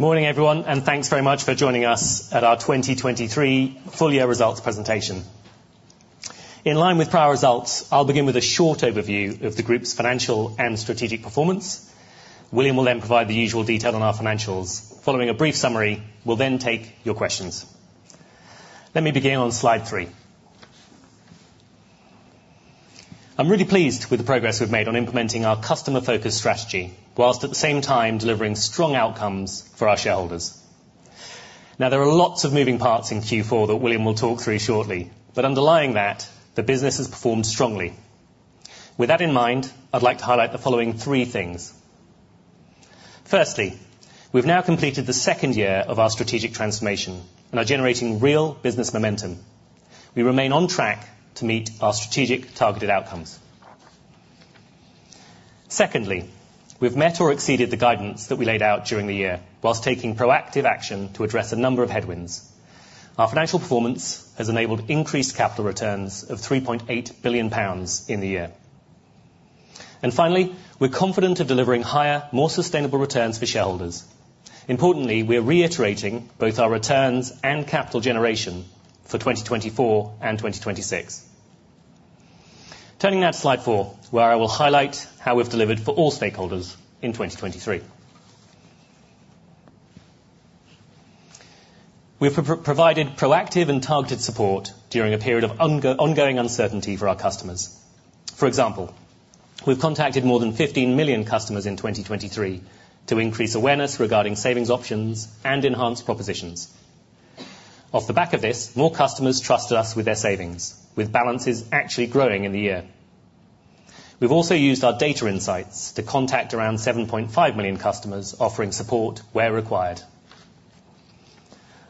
Morning everyone, and thanks very much for joining us at our 2023 full-year results presentation. In line with prior results, I'll begin with a short overview of the group's financial and strategic performance. William will then provide the usual detail on our financials. Following a brief summary, we'll then take your questions. Let me begin on Slide 3. I'm really pleased with the progress we've made on implementing our customer-focused strategy, while at the same time delivering strong outcomes for our shareholders. Now, there are lots of moving parts in Q4 that William will talk through shortly, but underlying that, the business has performed strongly. With that in mind, I'd like to highlight the following three things. Firstly, we've now completed the second year of our strategic transformation, and are generating real business momentum. We remain on track to meet our strategic targeted outcomes. Secondly, we've met or exceeded the guidance that we laid out during the year, while taking proactive action to address a number of headwinds. Our financial performance has enabled increased capital returns of 3.8 billion pounds in the year. Finally, we're confident of delivering higher, more sustainable returns for shareholders. Importantly, we're reiterating both our returns and capital generation for 2024 and 2026. Turning now to Slide 4, where I will highlight how we've delivered for all stakeholders in 2023. We've provided proactive and targeted support during a period of ongoing uncertainty for our customers. For example, we've contacted more than 15 million customers in 2023 to increase awareness regarding savings options and enhance propositions. Off the back of this, more customers trusted us with their savings, with balances actually growing in the year. We've also used our data insights to contact around 7.5 million customers, offering support where required.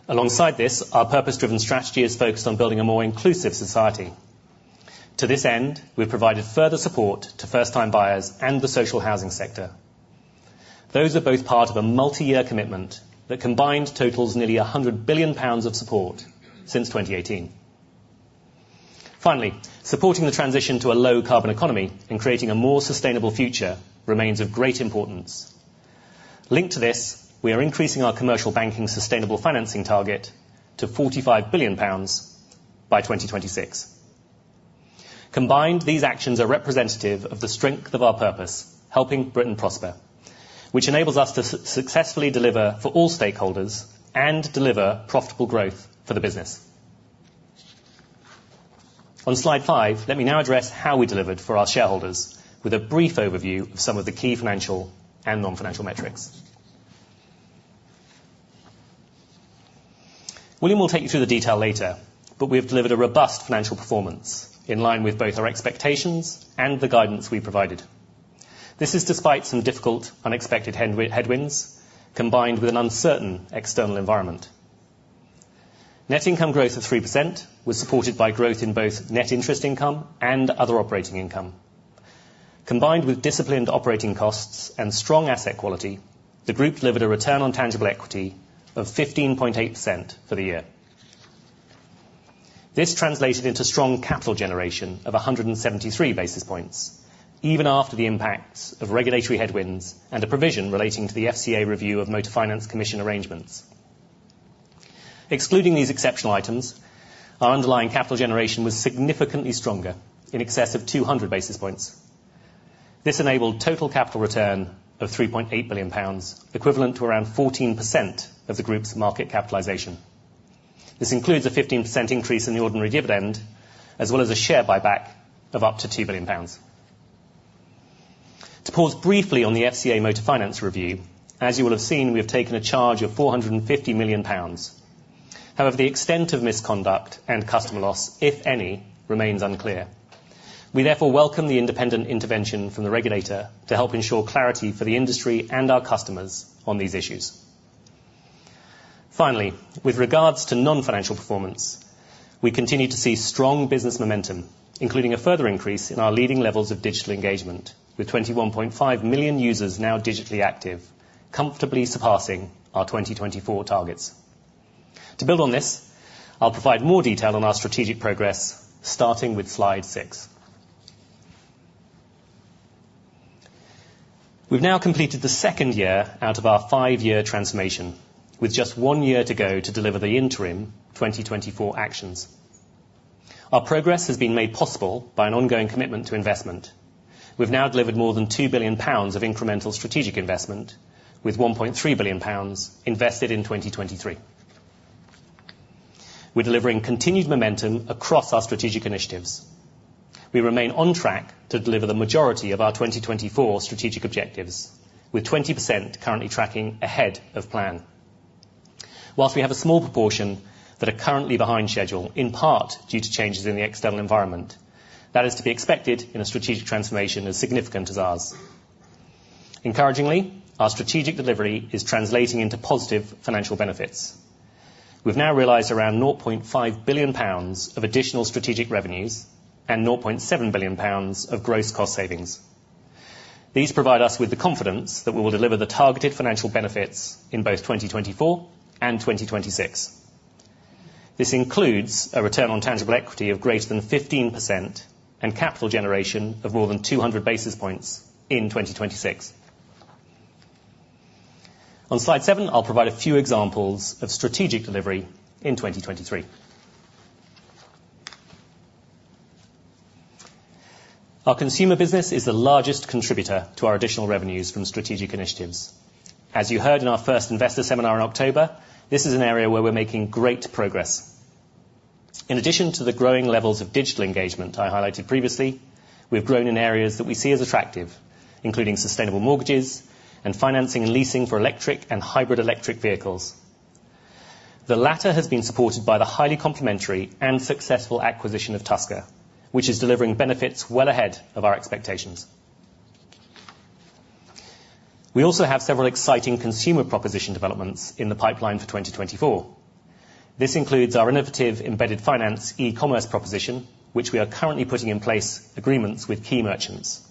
Alongside this, our purpose-driven strategy is focused on building a more inclusive society. To this end, we've provided further support to first-time buyers and the social housing sector. Those are both part of a multi-year commitment that combined totals nearly 100 billion pounds of support since 2018. Finally, supporting the transition to a low-carbon economy and creating a more sustainable future remains of great importance. Linked to this, we are increasing our commercial banking sustainable financing target to 45 billion pounds by 2026. Combined, these actions are representative of the strength of our purpose, helping Britain prosper, which enables us to successfully deliver for all stakeholders and deliver profitable growth for the business. On Slide 5, let me now address how we delivered for our shareholders, with a brief overview of some of the key financial and non-financial metrics. William will take you through the detail later, but we have delivered a robust financial performance in line with both our expectations and the guidance we provided. This is despite some difficult, unexpected headwinds combined with an uncertain external environment. Net income growth of 3% was supported by growth in both net interest income and other operating income. Combined with disciplined operating costs and strong asset quality, the group delivered a return on tangible equity of 15.8% for the year. This translated into strong capital generation of 173 basis points, even after the impacts of regulatory headwinds and a provision relating to the FCA review of Motor Finance commission arrangements. Excluding these exceptional items, our underlying capital generation was significantly stronger, in excess of 200 basis points. This enabled total capital return of 3.8 billion pounds, equivalent to around 14% of the group's market capitalization. This includes a 15% increase in the ordinary dividend, as well as a share buyback of up to 2 billion pounds. To pause briefly on the FCA Motor Finance review, as you will have seen, we have taken a charge of 450 million pounds. However, the extent of misconduct and customer loss, if any, remains unclear. We therefore welcome the independent intervention from the regulator to help ensure clarity for the industry and our customers on these issues. Finally, with regards to non-financial performance, we continue to see strong business momentum, including a further increase in our leading levels of digital engagement, with 21.5 million users now digitally active, comfortably surpassing our 2024 targets. To build on this, I'll provide more detail on our strategic progress, starting with Slide 6. We've now completed the second year out of our five-year transformation, with just one year to go to deliver the interim 2024 actions. Our progress has been made possible by an ongoing commitment to investment. We've now delivered more than 2 billion pounds of incremental strategic investment, with 1.3 billion pounds invested in 2023. We're delivering continued momentum across our strategic initiatives. We remain on track to deliver the majority of our 2024 strategic objectives, with 20% currently tracking ahead of plan. While we have a small proportion that are currently behind schedule, in part due to changes in the external environment, that is to be expected in a strategic transformation as significant as ours. Encouragingly, our strategic delivery is translating into positive financial benefits. We've now realised around 0.5 billion pounds of additional strategic revenues and 0.7 billion pounds of gross cost savings. These provide us with the confidence that we will deliver the targeted financial benefits in both 2024 and 2026. This includes a return on tangible equity of greater than 15% and capital generation of more than 200 basis points in 2026. On Slide 7, I'll provide a few examples of strategic delivery in 2023. Our consumer business is the largest contributor to our additional revenues from strategic initiatives. As you heard in our first investor seminar in October, this is an area where we're making great progress. In addition to the growing levels of digital engagement I highlighted previously, we've grown in areas that we see as attractive, including sustainable mortgages and financing and leasing for electric and hybrid electric vehicles. The latter has been supported by the highly complementary and successful acquisition of Tusker, which is delivering benefits well ahead of our expectations. We also have several exciting consumer proposition developments in the pipeline for 2024. This includes our innovative embedded finance e-commerce proposition, which we are currently putting in place agreements with key merchants.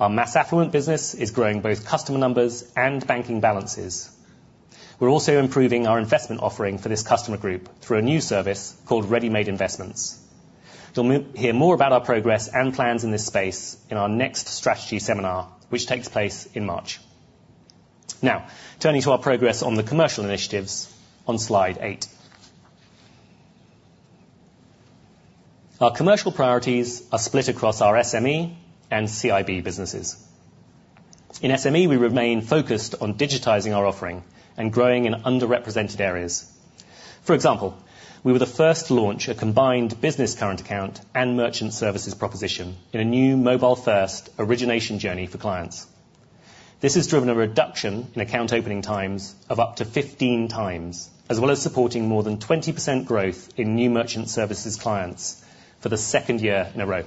Our mass affluent business is growing both customer numbers and banking balances. We're also improving our investment offering for this customer group through a new service called Ready-Made Investments. You'll hear more about our progress and plans in this space in our next strategy seminar, which takes place in March. Now, turning to our progress on the commercial initiatives on Slide 8. Our commercial priorities are split across our SME and CIB businesses. In SME, we remain focused on digitising our offering and growing in underrepresented areas. For example, we were the first to launch a combined business current account and merchant services proposition in a new mobile-first origination journey for clients. This has driven a reduction in account opening times of up to 15x, as well as supporting more than 20% growth in new merchant services clients for the second year in a row.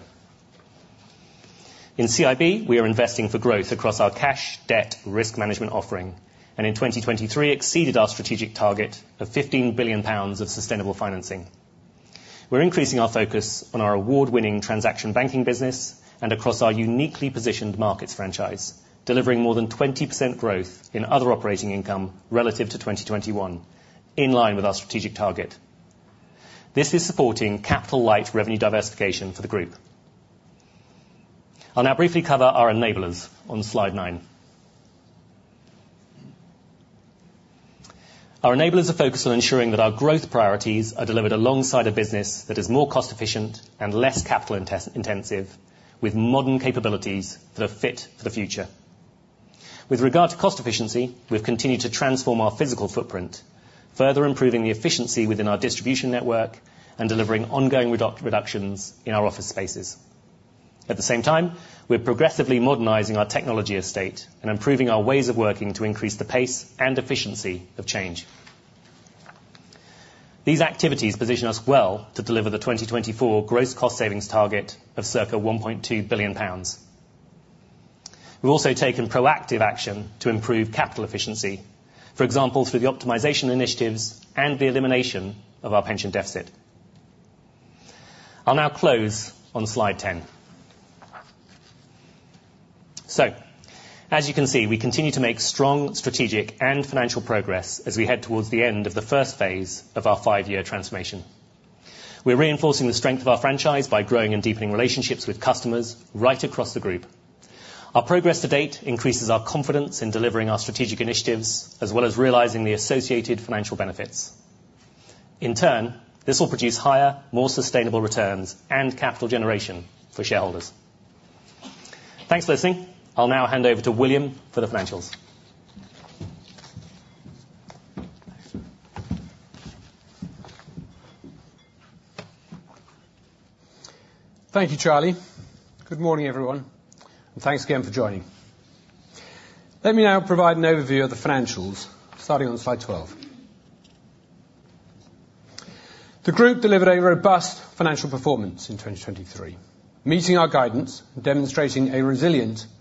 In CIB, we are investing for growth across our cash, debt, risk management offering, and in 2023 exceeded our strategic target of 15 billion pounds of sustainable financing. We're increasing our focus on our award-winning transaction banking business and across our uniquely positioned markets franchise, delivering more than 20% growth in other operating income relative to 2021, in line with our strategic target. This is supporting capital-light revenue diversification for the group. I'll now briefly cover our enablers on Slide 9. Our enablers are focused on ensuring that our growth priorities are delivered alongside a business that is more cost-efficient and less capital-intensive, with modern capabilities that are fit for the future. With regard to cost efficiency, we've continued to transform our physical footprint, further improving the efficiency within our distribution network and delivering ongoing reductions in our office spaces. At the same time, we're progressively modernizing our technology estate and improving our ways of working to increase the pace and efficiency of change. These activities position us well to deliver the 2024 gross cost savings target of circa 1.2 billion pounds. We've also taken proactive action to improve capital efficiency, for example, through the optimization initiatives and the elimination of our pension deficit. I'll now close on Slide 10. So, as you can see, we continue to make strong strategic and financial progress as we head towards the end of the first phase of our five-year transformation. We're reinforcing the strength of our franchise by growing and deepening relationships with customers right across the group. Our progress to date increases our confidence in delivering our strategic initiatives, as well as realizing the associated financial benefits. In turn, this will produce higher, more sustainable returns and capital generation for shareholders. Thanks for listening. I'll now hand over to William for the financials. Thank you, Charlie. Good morning, everyone, and thanks again for joining. Let me now provide an overview of the financials, starting on Slide 12. The group delivered a robust financial performance in 2023, meeting our guidance and demonstrating a resilient franchise.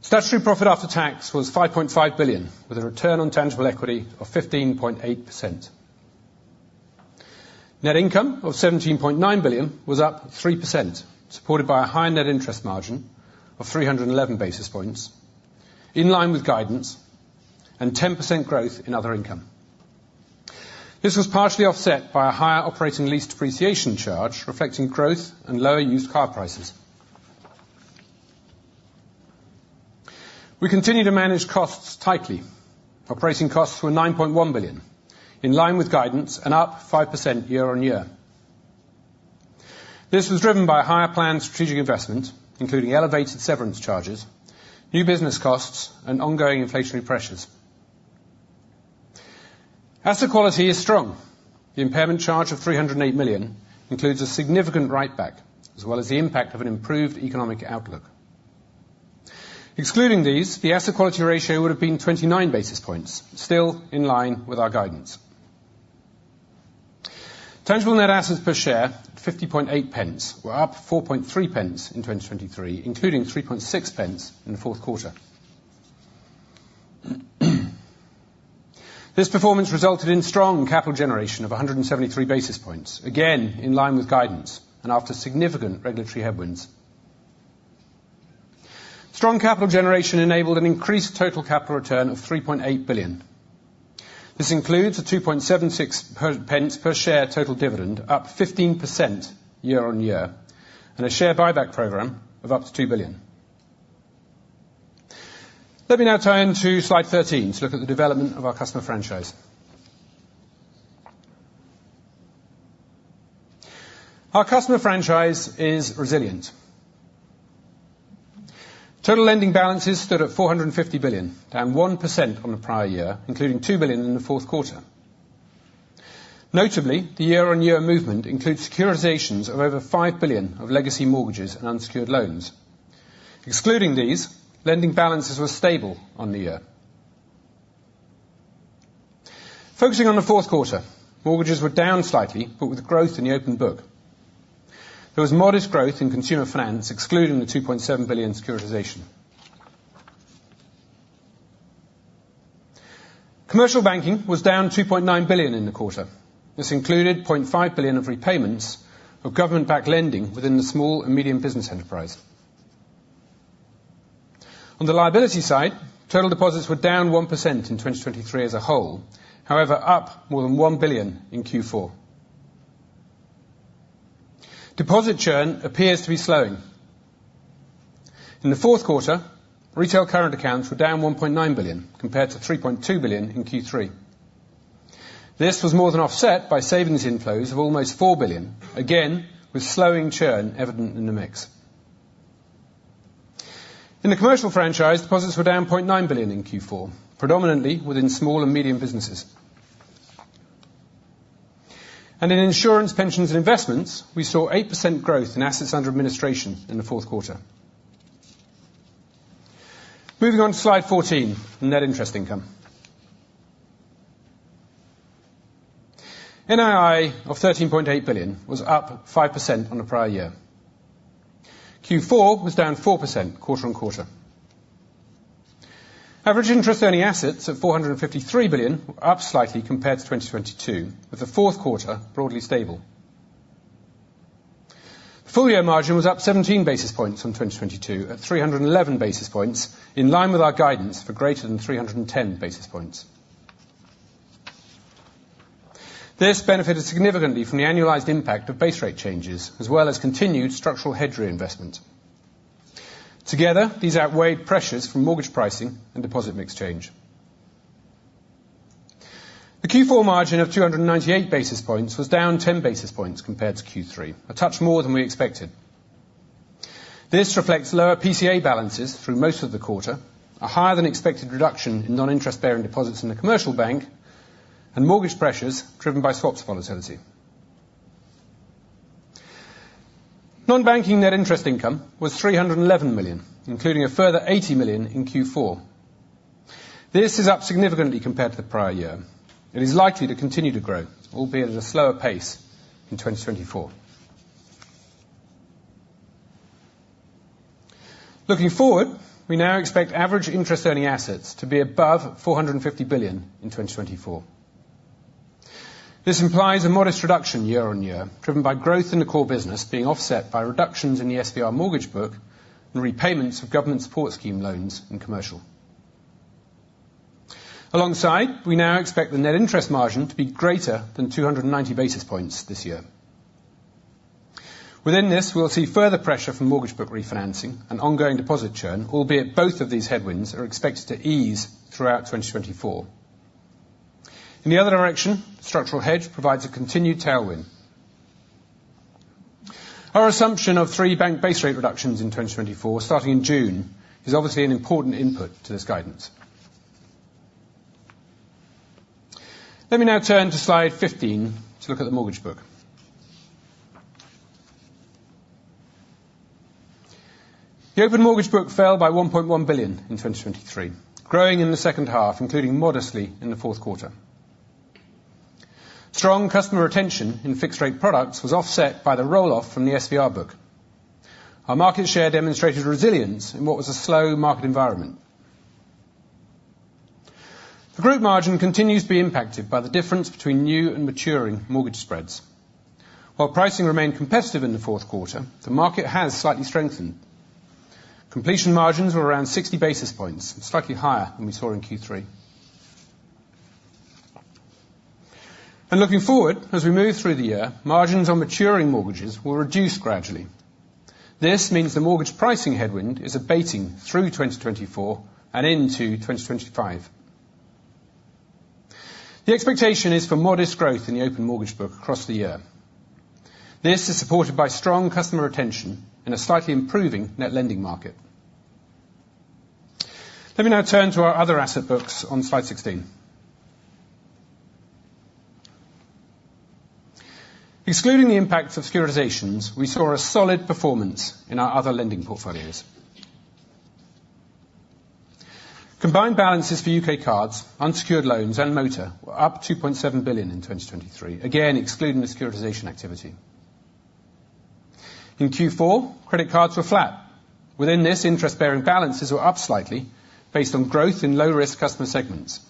Statutory profit after tax was 5.5 billion, with a return on tangible equity of 15.8%. Net income of 17.9 billion was up 3%, supported by a higher net interest margin of 311 basis points, in line with guidance, and 10% growth in other income. This was partially offset by a higher operating lease depreciation charge reflecting growth and lower used car prices. We continue to manage costs tightly. Operating costs were 9.1 billion, in line with guidance and up 5% year-over-year. This was driven by a higher planned strategic investment, including elevated severance charges, new business costs, and ongoing inflationary pressures. Asset quality is strong. The impairment charge of 308 million includes a significant write-back, as well as the impact of an improved economic outlook. Excluding these, the asset quality ratio would have been 29 basis points, still in line with our guidance. Tangible net assets per share, 0.508, were up 0.43 in 2023, including 0.60 in the fourth quarter. This performance resulted in strong capital generation of 173 basis points, again in line with guidance and after significant regulatory headwinds. Strong capital generation enabled an increased total capital return of 3.8 billion. This includes a 0.76 per share total dividend, up 15% year-on-year, and a share buyback program of up to 2 billion. Let me now turn to Slide 13 to look at the development of our customer franchise. Our customer franchise is resilient. Total lending balances stood at 450 billion, down 1% on the prior year, including 2 billion in the fourth quarter. Notably, the year-on-year movement includes securitizations of over 5 billion of legacy mortgages and unsecured loans. Excluding these, lending balances were stable on the year. Focusing on the fourth quarter, mortgages were down slightly, but with growth in the open book. There was modest growth in consumer finance, excluding the 2.7 billion securitization. Commercial banking was down 2.9 billion in the quarter. This included 0.5 billion of repayments of government-backed lending within the small and medium business enterprise. On the liability side, total deposits were down 1% in 2023 as a whole, however up more than 1 billion in Q4. Deposit churn appears to be slowing. In the fourth quarter, retail current accounts were down 1.9 billion compared to 3.2 billion in Q3. This was more than offset by savings inflows of almost 4 billion, again with slowing churn evident in the mix. In the commercial franchise, deposits were down 0.9 billion in Q4, predominantly within small and medium businesses. In insurance, pensions, and investments, we saw 8% growth in assets under administration in the fourth quarter. Moving on to Slide 14, net interest income. NII of 13.8 billion was up 5% on the prior year. Q4 was down 4% quarter-on-quarter. Average interest-earning assets at 453 billion were up slightly compared to 2022, with the fourth quarter broadly stable. The full-year margin was up 17 basis points on 2022, at 311 basis points, in line with our guidance for greater than 310 basis points. This benefited significantly from the annualized impact of base rate changes, as well as continued structural hedging investment. Together, these outweighed pressures from mortgage pricing and deposit mix change. The Q4 margin of 298 basis points was down 10 basis points compared to Q3, a touch more than we expected. This reflects lower PCA balances through most of the quarter, a higher-than-expected reduction in non-interest-bearing deposits in the commercial bank, and mortgage pressures driven by swaps volatility. Non-banking net interest income was 311 million, including a further 80 million in Q4. This is up significantly compared to the prior year. It is likely to continue to grow, albeit at a slower pace in 2024. Looking forward, we now expect average interest earning assets to be above 450 billion in 2024. This implies a modest reduction year-over-year, driven by growth in the core business being offset by reductions in the SVR mortgage book and repayments of government support scheme loans in commercial. Alongside, we now expect the net interest margin to be greater than 290 basis points this year. Within this, we'll see further pressure from mortgage book refinancing and ongoing deposit churn, albeit both of these headwinds are expected to ease throughout 2024. In the other direction, structural hedge provides a continued tailwind. Our assumption of three bank base rate reductions in 2024, starting in June, is obviously an important input to this guidance. Let me now turn to Slide 15 to look at the mortgage book. The open mortgage book fell by 1.1 billion in 2023, growing in the second half, including modestly in the fourth quarter. Strong customer retention in fixed-rate products was offset by the roll-off from the SVR book. Our market share demonstrated resilience in what was a slow market environment. The group margin continues to be impacted by the difference between new and maturing mortgage spreads. While pricing remained competitive in the fourth quarter, the market has slightly strengthened. Completion margins were around 60 basis points, slightly higher than we saw in Q3. Looking forward, as we move through the year, margins on maturing mortgages will reduce gradually. This means the mortgage pricing headwind is abating through 2024 and into 2025. The expectation is for modest growth in the open mortgage book across the year. This is supported by strong customer retention and a slightly improving net lending market. Let me now turn to our other asset books on Slide 16. Excluding the impact of securitizations, we saw a solid performance in our other lending portfolios. Combined balances for UK cards, unsecured loans, and motor were up 2.7 billion in 2023, again excluding the securitization activity. In Q4, credit cards were flat. Within this, interest-bearing balances were up slightly based on growth in low-risk customer segments.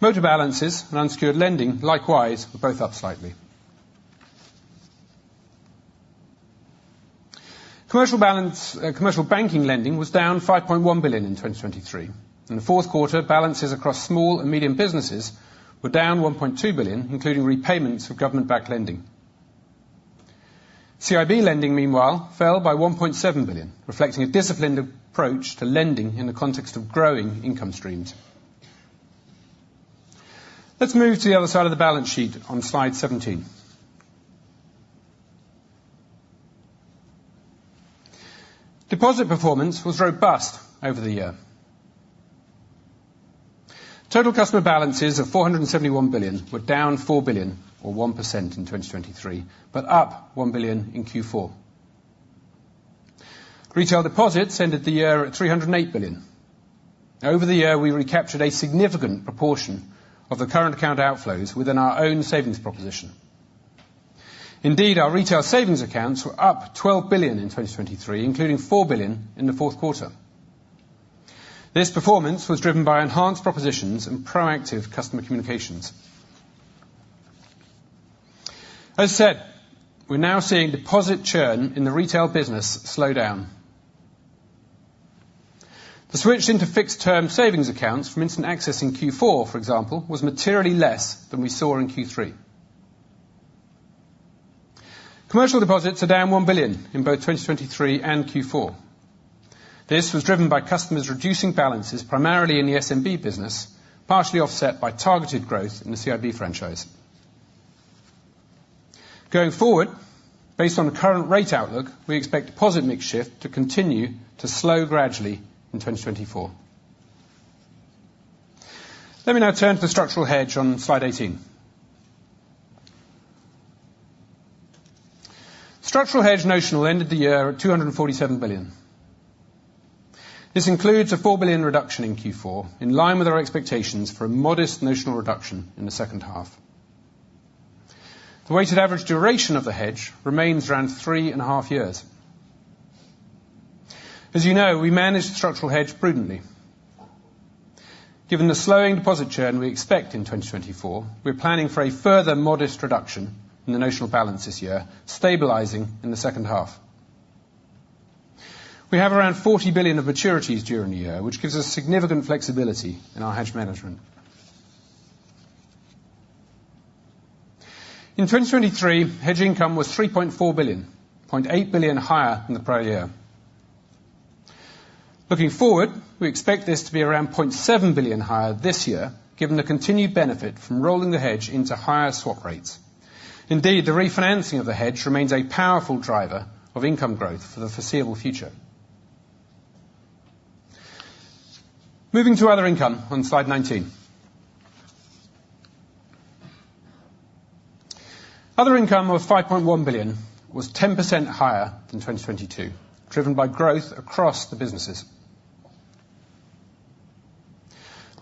Motor balances and unsecured lending, likewise, were both up slightly. Commercial Banking lending was down 5.1 billion in 2023. In the fourth quarter, balances across small and medium businesses were down 1.2 billion, including repayments of government-backed lending. CIB lending, meanwhile, fell by 1.7 billion, reflecting a disciplined approach to lending in the context of growing income streams. Let's move to the other side of the balance sheet on Slide 17. Deposit performance was robust over the year. Total customer balances of 471 billion were down 4 billion, or 1%, in 2023, but up 1 billion in Q4. Retail deposits ended the year at 308 billion. Over the year, we recaptured a significant proportion of the current account outflows within our own savings proposition. Indeed, our retail savings accounts were up 12 billion in 2023, including 4 billion in the fourth quarter. This performance was driven by enhanced propositions and proactive customer communications. As said, we're now seeing deposit churn in the retail business slow down. The switch into fixed-term savings accounts from instant access in Q4, for example, was materially less than we saw in Q3. Commercial deposits are down 1 billion in both 2023 and Q4. This was driven by customers reducing balances primarily in the SMB business, partially offset by targeted growth in the CIB franchise. Going forward, based on the current rate outlook, we expect deposit mix shift to continue to slow gradually in 2024. Let me now turn to the structural hedge on Slide 18. Structural hedge notional ended the year at 247 billion. This includes a 4 billion reduction in Q4, in line with our expectations for a modest notional reduction in the second half. The weighted average duration of the hedge remains around 3.5 years. As you know, we managed the structural hedge prudently. Given the slowing deposit churn we expect in 2024, we're planning for a further modest reduction in the notional balance this year, stabilising in the second half. We have around 40 billion of maturities during the year, which gives us significant flexibility in our hedge management. In 2023, hedge income was 3.4 billion, 0.8 billion higher than the prior year. Looking forward, we expect this to be around 0.7 billion higher this year, given the continued benefit from rolling the hedge into higher swap rates. Indeed, the refinancing of the hedge remains a powerful driver of income growth for the foreseeable future. Moving to other income on Slide 19. Other income of 5.1 billion was 10% higher than 2022, driven by growth across the businesses.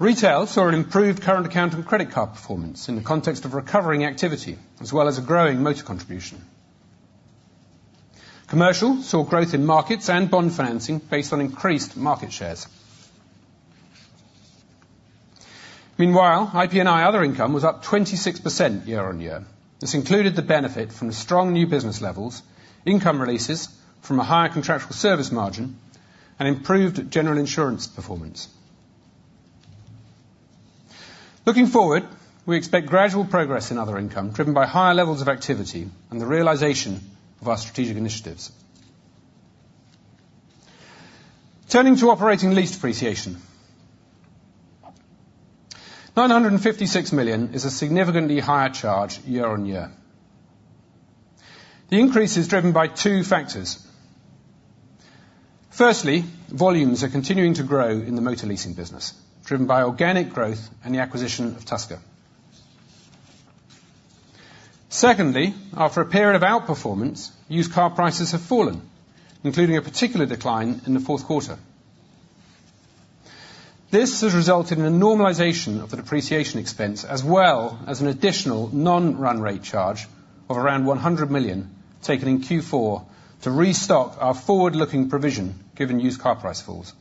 Retail saw an improved current account and credit card performance in the context of recovering activity, as well as a growing motor contribution. Commercial saw growth in markets and bond financing based on increased market shares. Meanwhile, IP&I other income was up 26% year-on-year. This included the benefit from strong new business levels, income releases from a higher contractual service margin, and improved general insurance performance. Looking forward, we expect gradual progress in other income driven by higher levels of activity and the realization of our strategic initiatives. Turning to operating lease depreciation. 956 million is a significantly higher charge year-on-year. The increase is driven by two factors. Firstly, volumes are continuing to grow in the motor leasing business, driven by organic growth and the acquisition of Tusker. Secondly, after a period of outperformance, used car prices have fallen, including a particular decline in the fourth quarter. This has resulted in a normalization of the depreciation expense, as well as an additional non-run rate charge of around 100 million taken in Q4 to restock our forward-looking provision given used car price falls.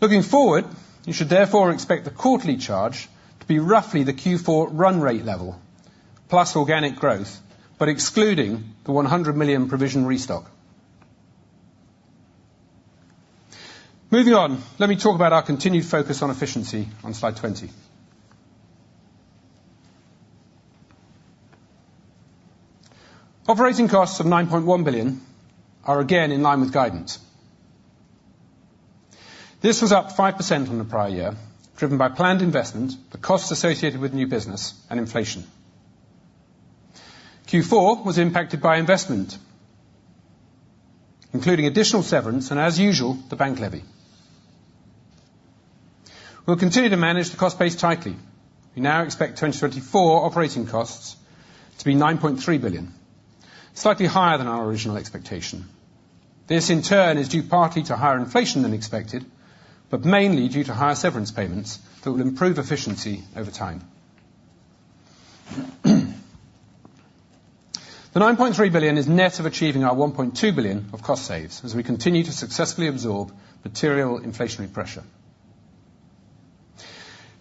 Looking forward, you should therefore expect the quarterly charge to be roughly the Q4 run rate level, plus organic growth, but excluding the 100 million provision restock. Moving on, let me talk about our continued focus on efficiency on Slide 20. Operating costs of 9.1 billion are again in line with guidance. This was up 5% on the prior year, driven by planned investment, the costs associated with new business, and inflation. Q4 was impacted by investment, including additional severance and, as usual, the bank levy. We'll continue to manage the cost base tightly. We now expect 2024 operating costs to be 9.3 billion, slightly higher than our original expectation. This, in turn, is due partly to higher inflation than expected, but mainly due to higher severance payments that will improve efficiency over time. The 9.3 billion is net of achieving our 1.2 billion of cost saves as we continue to successfully absorb material inflationary pressure.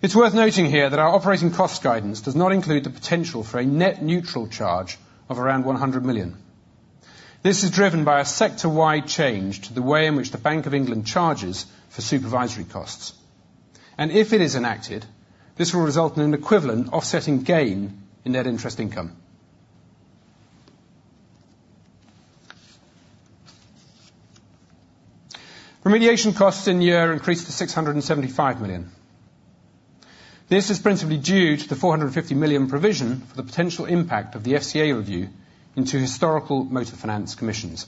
It's worth noting here that our operating costs guidance does not include the potential for a net neutral charge of around 100 million. This is driven by a sector-wide change to the way in which the Bank of England charges for supervisory costs. If it is enacted, this will result in an equivalent offsetting gain in net interest income. Remediation costs in year increased to 675 million. This is principally due to the 450 million provision for the potential impact of the FCA review into historical motor finance commissions.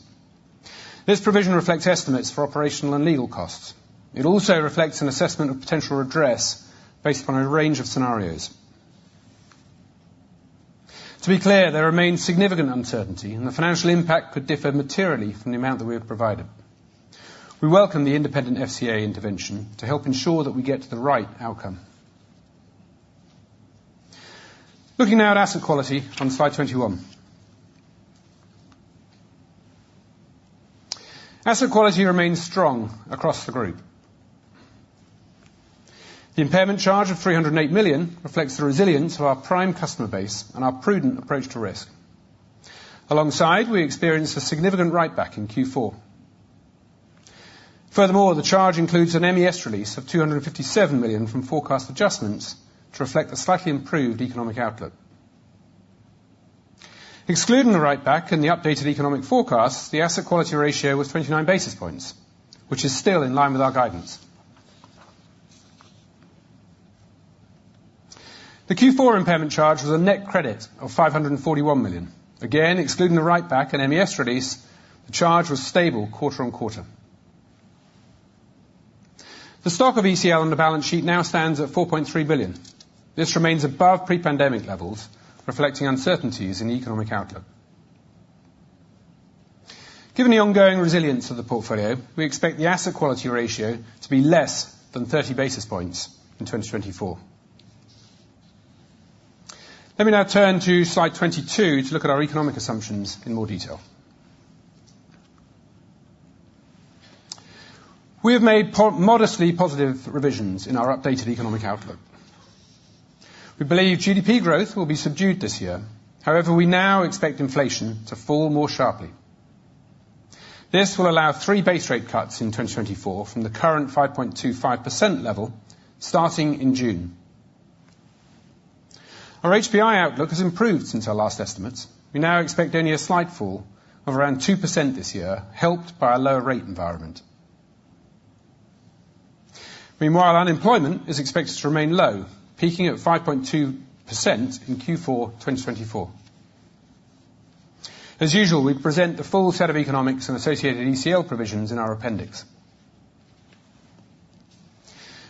This provision reflects estimates for operational and legal costs. It also reflects an assessment of potential redress based upon a range of scenarios. To be clear, there remains significant uncertainty, and the financial impact could differ materially from the amount that we have provided. We welcome the independent FCA intervention to help ensure that we get to the right outcome. Looking now at asset quality on Slide 21. Asset quality remains strong across the group. The impairment charge of 308 million reflects the resilience of our prime customer base and our prudent approach to risk. Alongside, we experienced a significant writeback in Q4. Furthermore, the charge includes an MES release of 257 million from forecast adjustments to reflect the slightly improved economic outlook. Excluding the writeback and the updated economic forecasts, the asset quality ratio was 29 basis points, which is still in line with our guidance. The Q4 impairment charge was a net credit of 541 million. Again, excluding the writeback and MES release, the charge was stable quarter on quarter. The stock of ECL on the balance sheet now stands at 4.3 billion. This remains above pre-pandemic levels, reflecting uncertainties in the economic outlook. Given the ongoing resilience of the portfolio, we expect the asset quality ratio to be less than 30 basis points in 2024. Let me now turn to Slide 22 to look at our economic assumptions in more detail. We have made modestly positive revisions in our updated economic outlook. We believe GDP growth will be subdued this year. However, we now expect inflation to fall more sharply. This will allow three base rate cuts in 2024 from the current 5.25% level starting in June. Our HPI outlook has improved since our last estimates. We now expect only a slight fall of around 2% this year, helped by a lower rate environment. Meanwhile, unemployment is expected to remain low, peaking at 5.2% in Q4 2024. As usual, we present the full set of economics and associated ECL provisions in our appendix.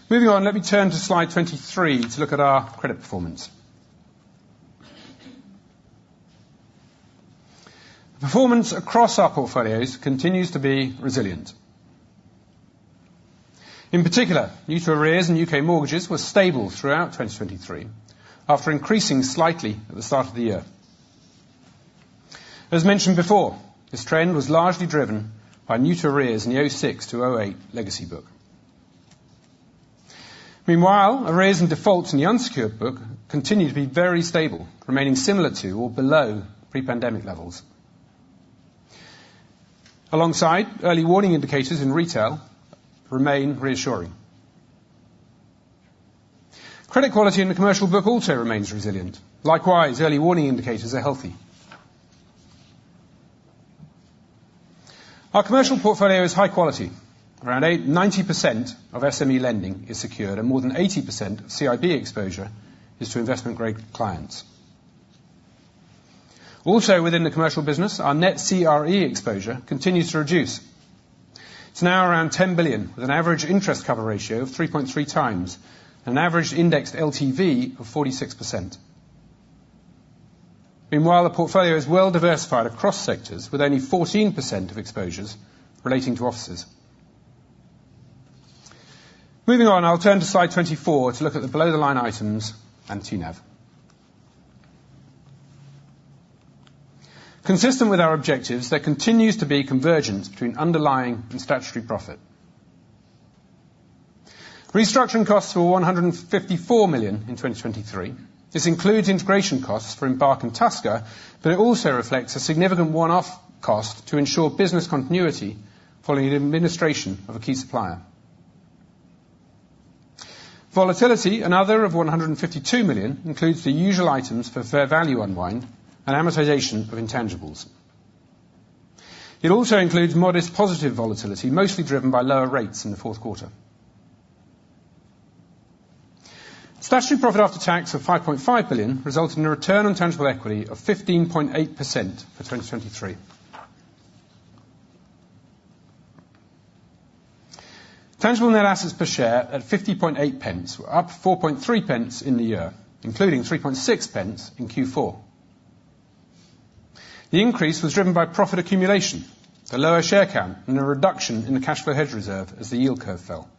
Moving on, let me turn to Slide 23 to look at our credit performance. Performance across our portfolios continues to be resilient. In particular, new-to-arrears and U.K. mortgages were stable throughout 2023, after increasing slightly at the start of the year. As mentioned before, this trend was largely driven by new-to-arrears in the 2006 to 2008 legacy book. Meanwhile, areas and defaults in the unsecured book continue to be very stable, remaining similar to or below pre-pandemic levels. Alongside, early warning indicators in retail remain reassuring. Credit quality in the commercial book also remains resilient. Likewise, early warning indicators are healthy. Our commercial portfolio is high quality. Around 90% of SME lending is secured, and more than 80% of CIB exposure is to investment-grade clients. Also, within the commercial business, our net CRE exposure continues to reduce. It's now around 10 billion, with an average interest cover ratio of 3.3x and an average indexed LTV of 46%. Meanwhile, the portfolio is well diversified across sectors, with only 14% of exposures relating to offices. Moving on, I'll turn to Slide 24 to look at the below-the-line items and TNAV. Consistent with our objectives, there continues to be convergence between underlying and statutory profit. Restructuring costs were 154 million in 2023. This includes integration costs for Embark and Tusker, but it also reflects a significant one-off cost to ensure business continuity following an administration of a key supplier. Volatility, another of 152 million, includes the usual items for fair value unwind and amortization of intangibles. It also includes modest positive volatility, mostly driven by lower rates in the fourth quarter. Statutory profit after tax of 5.5 billion resulted in a return on tangible equity of 15.8% for 2023. Tangible net assets per share at 0.508 were up 0.043 in the year, including 0.036 in Q4. The increase was driven by profit accumulation, the lower share count, and a reduction in the cash flow hedge reserve as the yield curve fell.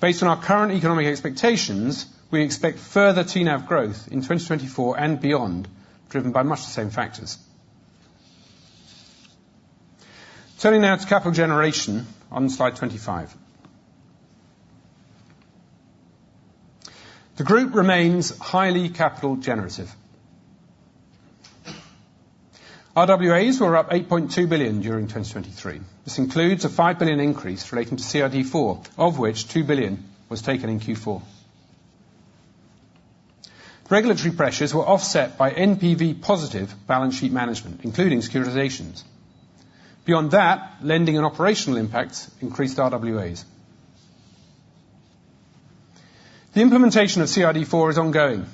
Based on our current economic expectations, we expect further TNAV growth in 2024 and beyond, driven by much the same factors. Turning now to capital generation on Slide 25. The group remains highly capital generative. RWAs were up 8.2 billion during 2023. This includes a 5 billion increase relating to CRD4, of which 2 billion was taken in Q4. Regulatory pressures were offset by NPV-positive balance sheet management, including securisations. Beyond that, lending and operational impacts increased RWAs. The implementation of CRD4 is ongoing.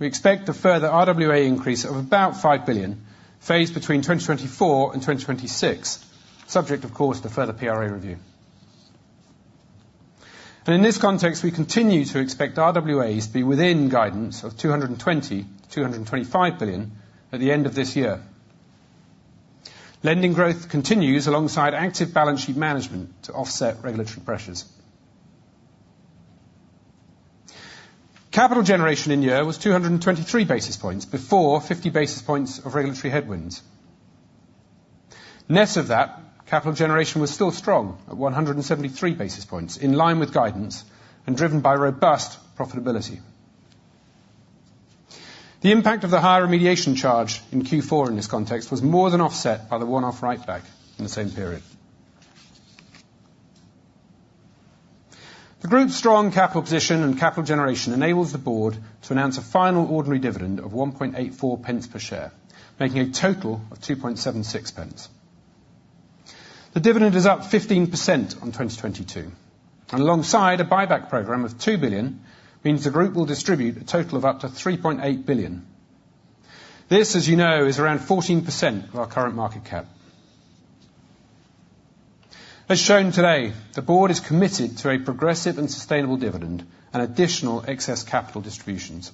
We expect a further RWA increase of about 5 billion, phased between 2024 and 2026, subject, of course, to further PRA review. And in this context, we continue to expect RWAs to be within guidance of 220 billion-225 billion at the end of this year. Lending growth continues alongside active balance sheet management to offset regulatory pressures. Capital generation in year was 223 basis points before 50 basis points of regulatory headwinds. Net of that, capital generation was still strong at 173 basis points, in line with guidance and driven by robust profitability. The impact of the higher remediation charge in Q4, in this context, was more than offset by the one-off writeback in the same period. The group's strong capital position and capital generation enables the board to announce a final ordinary dividend of 1.84 per share, making a total of 2.76. The dividend is up 15% on 2022. And alongside, a buyback program of 2 billion means the group will distribute a total of up to 3.8 billion. This, as you know, is around 14% of our current market cap. As shown today, the board is committed to a progressive and sustainable dividend and additional excess capital distributions.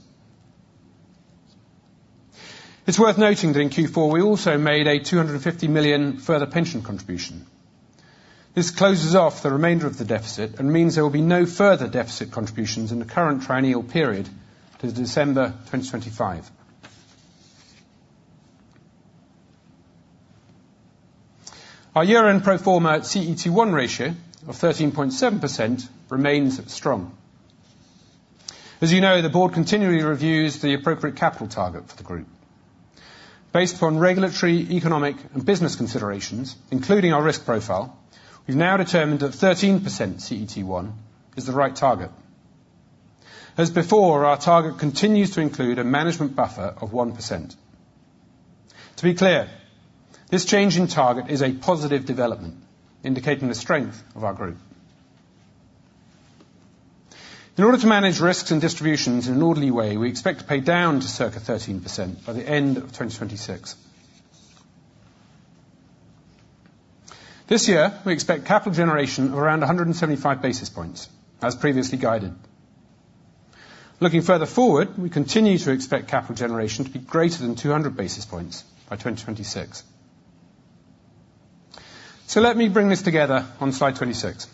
It's worth noting that in Q4 we also made a 250 million further pension contribution. This closes off the remainder of the deficit and means there will be no further deficit contributions in the current triennial period to December 2025. Our year-end pro forma CET1 ratio of 13.7% remains strong. As you know, the board continually reviews the appropriate capital target for the group. Based upon regulatory, economic, and business considerations, including our risk profile, we've now determined that 13% CET1 is the right target. As before, our target continues to include a management buffer of 1%. To be clear, this change in target is a positive development, indicating the strength of our group. In order to manage risks and distributions in an orderly way, we expect to pay down to circa 13% by the end of 2026. This year, we expect capital generation of around 175 basis points, as previously guided. Looking further forward, we continue to expect capital generation to be greater than 200 basis points by 2026. So let me bring this together on Slide 26.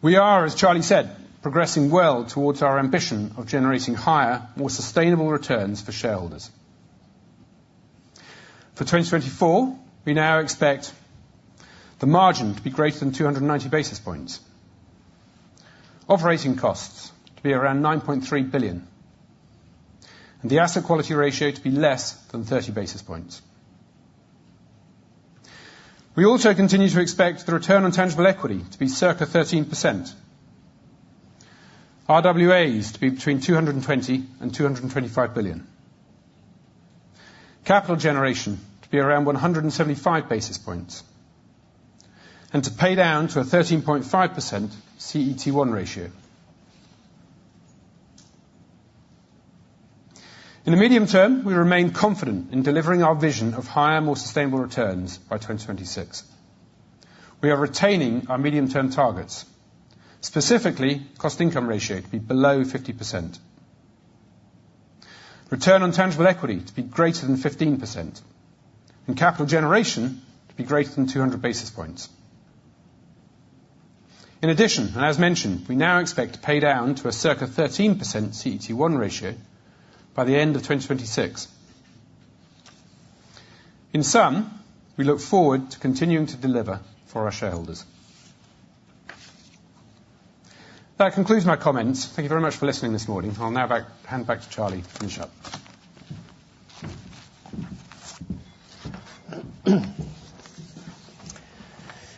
We are, as Charlie said, progressing well towards our ambition of generating higher, more sustainable returns for shareholders. For 2024, we now expect the margin to be greater than 290 basis points, operating costs to be around 9.3 billion, and the asset quality ratio to be less than 30 basis points. We also continue to expect the return on tangible equity to be circa 13%, RWAs to be between 220 billion and 225 billion, capital generation to be around 175 basis points, and to pay down to a 13.5% CET1 ratio. In the medium term, we remain confident in delivering our vision of higher, more sustainable returns by 2026. We are retaining our medium-term targets. Specifically, cost-income ratio to be below 50%, return on tangible equity to be greater than 15%, and capital generation to be greater than 200 basis points. In addition, and as mentioned, we now expect to pay down to a circa 13% CET1 ratio by the end of 2026. In sum, we look forward to continuing to deliver for our shareholders. That concludes my comments. Thank you very much for listening this morning. I'll now hand back to Charlie to finish up.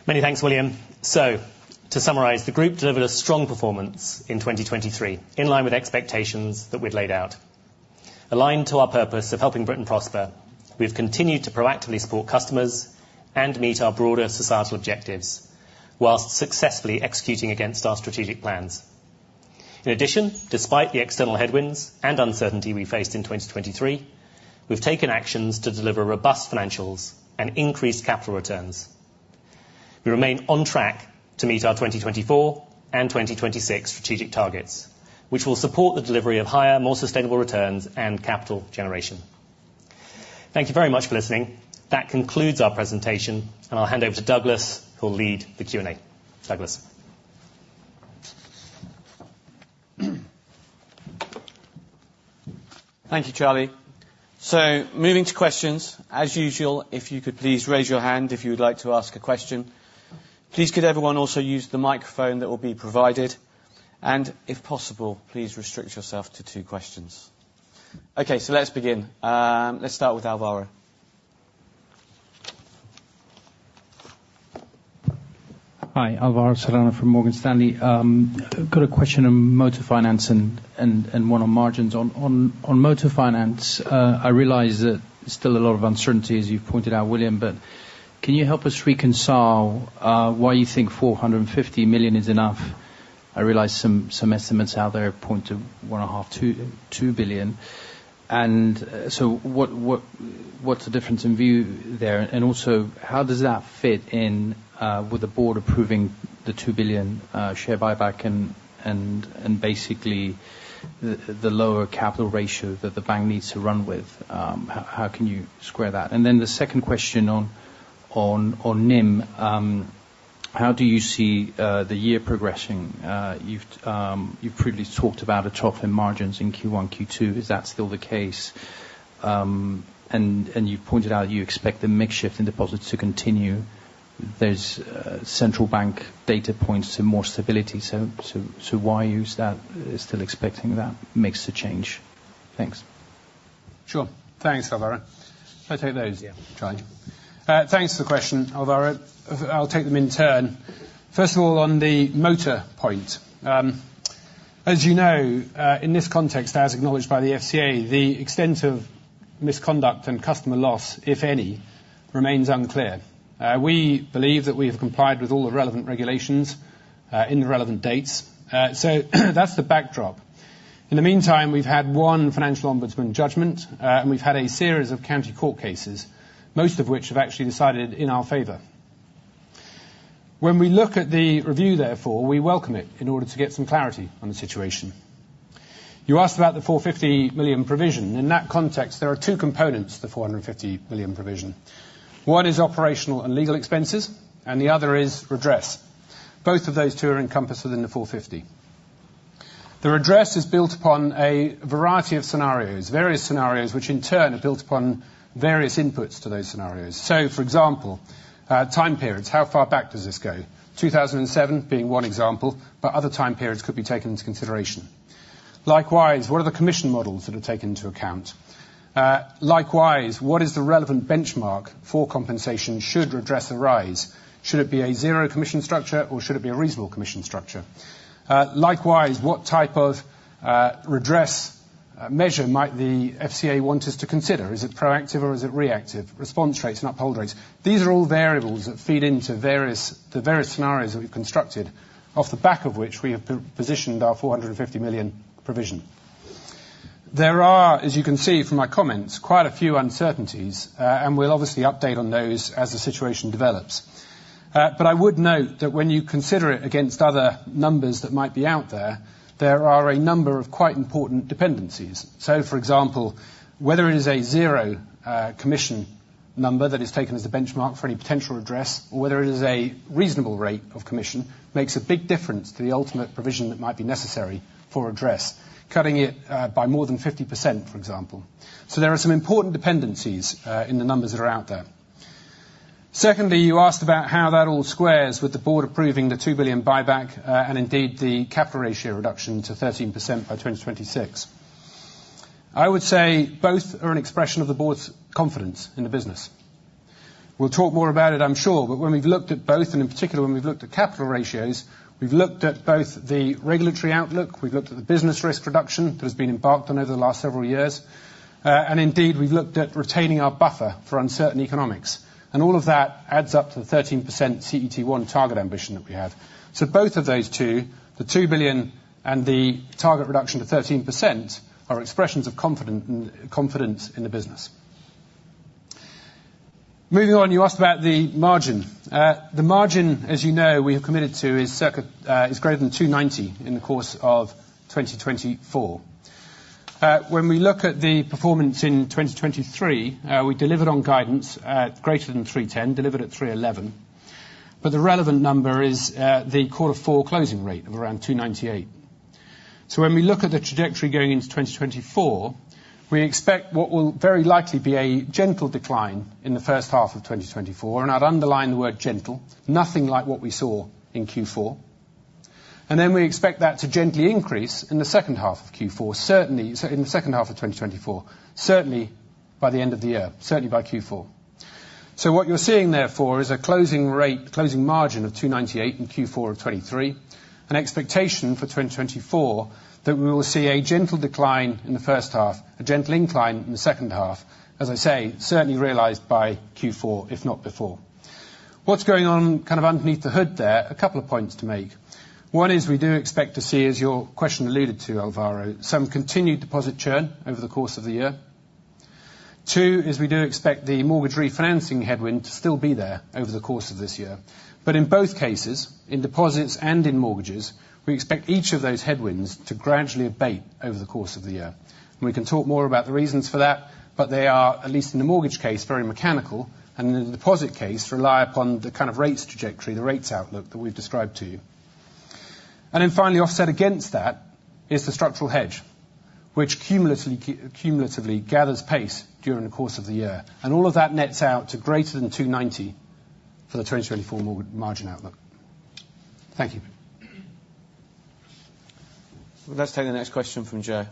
Many thanks, William. So, to summarize, the group delivered a strong performance in 2023, in line with expectations that we'd laid out. Aligned to our purpose of helping Britain prosper, we've continued to proactively support customers and meet our broader societal objectives, while successfully executing against our strategic plans. In addition, despite the external headwinds and uncertainty we faced in 2023, we've taken actions to deliver robust financials and increased capital returns. We remain on track to meet our 2024 and 2026 strategic targets, which will support the delivery of higher, more sustainable returns and capital generation. Thank you very much for listening. That concludes our presentation, and I'll hand over to Douglas, who'll lead the Q&A. Douglas. Thank you, Charlie. So, moving to questions. As usual, if you could please raise your hand if you would like to ask a question. Please could everyone also use the microphone that will be provided. And if possible, please restrict yourself to two questions. Okay, so let's begin. Let's start with Alvaro. Hi. Alvaro Serrano from Morgan Stanley. Got a question on motor finance and one on margins. On motor finance, I realize that there's still a lot of uncertainty, as you've pointed out, William, but can you help us reconcile why you think 450 million is enough? I realize some estimates out there point to 1.5 billion-2 billion. So what's the difference in view there? Also, how does that fit in with the board approving the 2 billion share buyback and basically the lower capital ratio that the bank needs to run with? How can you square that? Then the second question on NIM. How do you see the year progressing? You've previously talked about a trough in margins in Q1, Q2. Is that still the case? You've pointed out you expect the mix shift in deposits to continue. There's central bank data points to more stability. So why are you still expecting that mix to change? Thanks. Sure. Thanks, Alvaro. I'll take those, Charlie. Thanks for the question, Alvaro. I'll take them in turn. First of all, on the motor point. As you know, in this context, as acknowledged by the FCA, the extent of misconduct and customer loss, if any, remains unclear. We believe that we have complied with all the relevant regulations in the relevant dates. So that's the backdrop. In the meantime, we've had one financial ombudsman judgment, and we've had a series of county court cases, most of which have actually decided in our favor. When we look at the review, therefore, we welcome it in order to get some clarity on the situation. You asked about the 450 million provision. In that context, there are two components to the 450 million provision. One is operational and legal expenses, and the other is redress. Both of those two are encompassed within the 450 million. The redress is built upon a variety of scenarios, various scenarios which in turn are built upon various inputs to those scenarios. So, for example, time periods. How far back does this go? 2007 being one example, but other time periods could be taken into consideration. Likewise, what are the commission models that are taken into account? Likewise, what is the relevant benchmark for compensation should redress arise? Should it be a zero commission structure, or should it be a reasonable commission structure? Likewise, what type of redress measure might the FCA want us to consider? Is it proactive, or is it reactive? Response rates and uphold rates. These are all variables that feed into the various scenarios that we've constructed, off the back of which we have positioned our 450 million provision. There are, as you can see from my comments, quite a few uncertainties, and we'll obviously update on those as the situation develops. But I would note that when you consider it against other numbers that might be out there, there are a number of quite important dependencies. So, for example, whether it is a zero commission number that is taken as the benchmark for any potential redress, or whether it is a reasonable rate of commission, makes a big difference to the ultimate provision that might be necessary for redress, cutting it by more than 50%, for example. So there are some important dependencies in the numbers that are out there. Secondly, you asked about how that all squares with the board approving the 2 billion buyback and indeed the capital ratio reduction to 13% by 2026. I would say both are an expression of the board's confidence in the business. We'll talk more about it, I'm sure, but when we've looked at both, and in particular when we've looked at capital ratios, we've looked at both the regulatory outlook, we've looked at the business risk reduction that has been embarked on over the last several years, and indeed we've looked at retaining our buffer for uncertain economics. And all of that adds up to the 13% CET1 target ambition that we have. So both of those two, the 2 billion and the target reduction to 13%, are expressions of confidence in the business. Moving on, you asked about the margin. The margin, as you know, we have committed to is greater than 290 in the course of 2024. When we look at the performance in 2023, we delivered on guidance at greater than 310, delivered at 311. But the relevant number is the Q4 closing rate of around 298. So when we look at the trajectory going into 2024, we expect what will very likely be a gentle decline in the first half of 2024, and I'd underline the word gentle, nothing like what we saw in Q4. And then we expect that to gently increase in the second half of Q4, certainly in the second half of 2024, certainly by the end of the year, certainly by Q4. So what you're seeing, therefore, is a closing margin of 298 in Q4 of 2023, an expectation for 2024 that we will see a gentle decline in the first half, a gentle incline in the second half, as I say, certainly realized by Q4, if not before. What's going on kind of underneath the hood there, a couple of points to make. One is we do expect to see, as your question alluded to, Alvaro, some continued deposit churn over the course of the year. Two is we do expect the mortgage refinancing headwind to still be there over the course of this year. But in both cases, in deposits and in mortgages, we expect each of those headwinds to gradually abate over the course of the year. And we can talk more about the reasons for that, but they are, at least in the mortgage case, very mechanical, and in the deposit case, rely upon the kind of rates trajectory, the rates outlook that we've described to you. And then finally, offset against that is the structural hedge, which cumulatively gathers pace during the course of the year. All of that nets out to greater than 290 for the 2024 margin outlook. Thank you. Let's take the next question from Joe.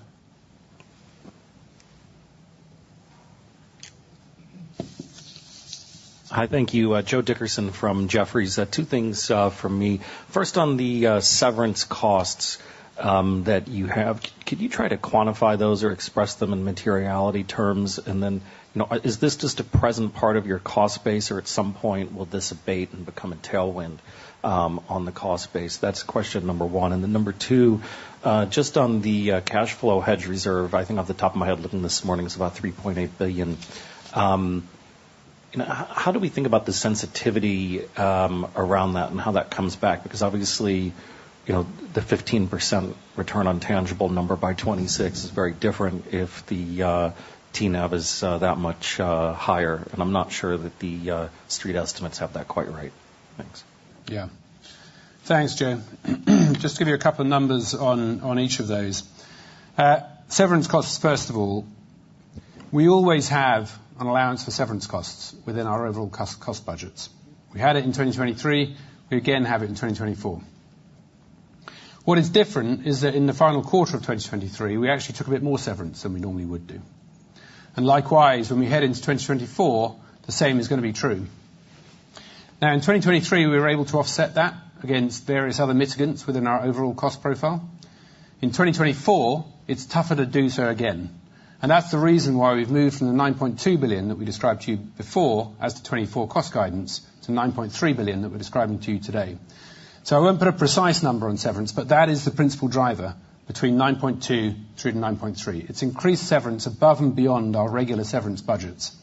Hi. Thank you. Joe Dickerson from Jefferies. Two things from me. First, on the severance costs that you have, could you try to quantify those or express them in materiality terms? And then is this just a present part of your cost base, or at some point will this abate and become a tailwind on the cost base? That's question number one. And then number two, just on the cash flow hedge reserve, I think off the top of my head looking this morning, it's about 3.8 billion. How do we think about the sensitivity around that and how that comes back? Because obviously, the 15% return on tangible number by 2026 is very different if the TNAV is that much higher. And I'm not sure that the street estimates have that quite right. Thanks. Yeah. Thanks, Joe. Just to give you a couple of numbers on each of those. Severance costs, first of all, we always have an allowance for severance costs within our overall cost budgets. We had it in 2023. We again have it in 2024. What is different is that in the final quarter of 2023, we actually took a bit more severance than we normally would do. And likewise, when we head into 2024, the same is going to be true. Now, in 2023, we were able to offset that against various other mitigants within our overall cost profile. In 2024, it's tougher to do so again. And that's the reason why we've moved from the 9.2 billion that we described to you before as the 2024 cost guidance to 9.3 billion that we're describing to you today. So I won't put a precise number on severance, but that is the principal driver between 9.2-9.3. It's increased severance above and beyond our regular severance budgets.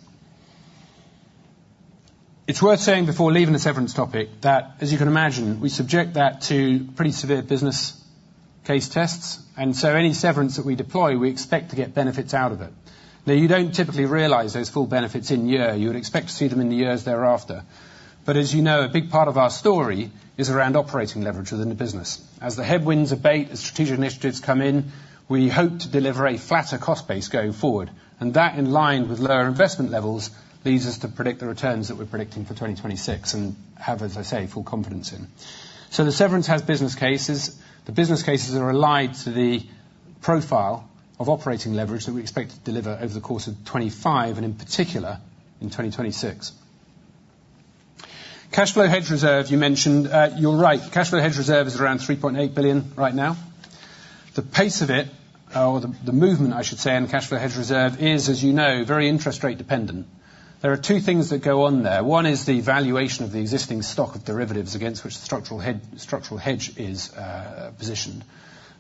It's worth saying before leaving the severance topic that, as you can imagine, we subject that to pretty severe business case tests. And so any severance that we deploy, we expect to get benefits out of it. Now, you don't typically realise those full benefits in-year. You would expect to see them in the years thereafter. But as you know, a big part of our story is around operating leverage within the business. As the headwinds abate, as strategic initiatives come in, we hope to deliver a flatter cost base going forward. And that, in line with lower investment levels, leads us to predict the returns that we're predicting for 2026 and have, as I say, full confidence in. So the severance has business cases. The business cases are related to the profile of operating leverage that we expect to deliver over the course of 2025 and in particular in 2026. Cash flow hedge reserve, you mentioned. You're right. Cash flow hedge reserve is around 3.8 billion right now. The pace of it, or the movement, I should say, in cash flow hedge reserve is, as you know, very interest rate dependent. There are two things that go on there. One is the valuation of the existing stock of derivatives against which the structural hedge is positioned.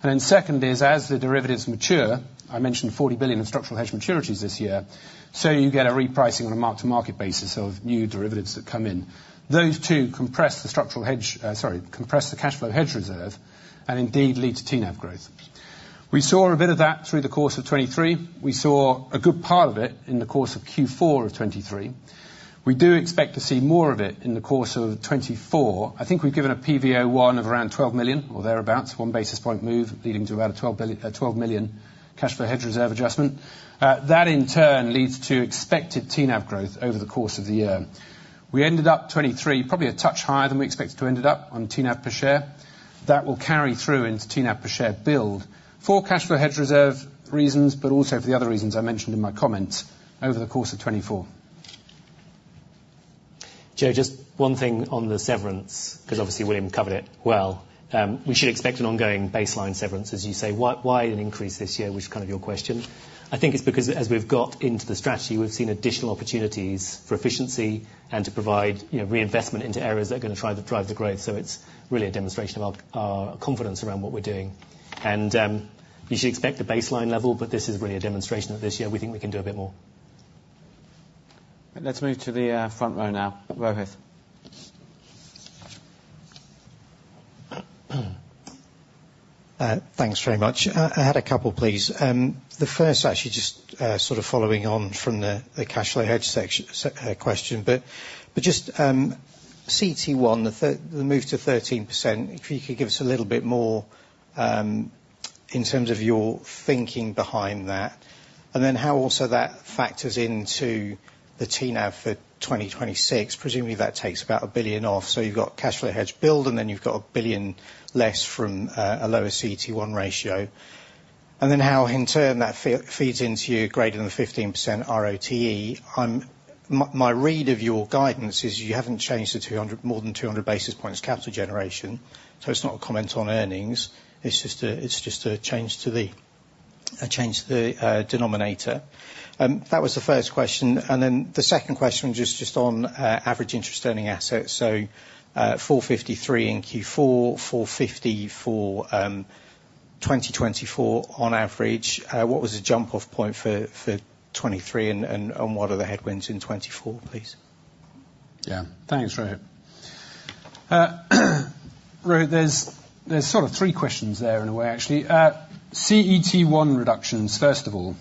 And then second is, as the derivatives mature, I mentioned 40 billion of structural hedge maturities this year, so you get a repricing on a mark-to-market basis of new derivatives that come in. Those two compress the structural hedge sorry, compress the cash flow hedge reserve and indeed lead to TNAV growth. We saw a bit of that through the course of 2023. We saw a good part of it in the course of Q4 of 2023. We do expect to see more of it in the course of 2024. I think we've given a PV01 of around 12 million or thereabouts, one basis point move leading to about a 12 million cash flow hedge reserve adjustment. That, in turn, leads to expected TNAV growth over the course of the year. We ended up 2023 probably a touch higher than we expected to end up on TNAV per share. That will carry through into TNAV per share build for cash flow hedge reserve reasons, but also for the other reasons I mentioned in my comments over the course of 2024. Joe, just one thing on the severance, because obviously William covered it well. We should expect an ongoing baseline severance, as you say. Why an increase this year, which is kind of your question? I think it's because, as we've got into the strategy, we've seen additional opportunities for efficiency and to provide reinvestment into areas that are going to try to drive the growth. So it's really a demonstration of our confidence around what we're doing. You should expect the baseline level, but this is really a demonstration that this year we think we can do a bit more. Let's move to the front row now. Rohith. Thanks very much. I had a couple, please. The first, actually, just sort of following on from the cash flow hedge question. But just CET1, the move to 13%, if you could give us a little bit more in terms of your thinking behind that. And then how also that factors into the TNAV for 2026. Presumably, that takes about 1 billion off. So you've got cash flow hedge build, and then you've got 1 billion less from a lower CET1 ratio. And then how, in turn, that feeds into your greater than 15% ROTE. My read of your guidance is you haven't changed the more than 200 basis points capital generation. So it's not a comment on earnings. It's just a change to the denominator. That was the first question. And then the second question was just on average interest-earning assets. 453 in Q4, 450 for 2024 on average. What was the jump-off point for 2023, and what are the headwinds in 2024, please? Yeah. Thanks, Rohith. Rohith, there's sort of three questions there in a way, actually. CET1 reductions, first of all.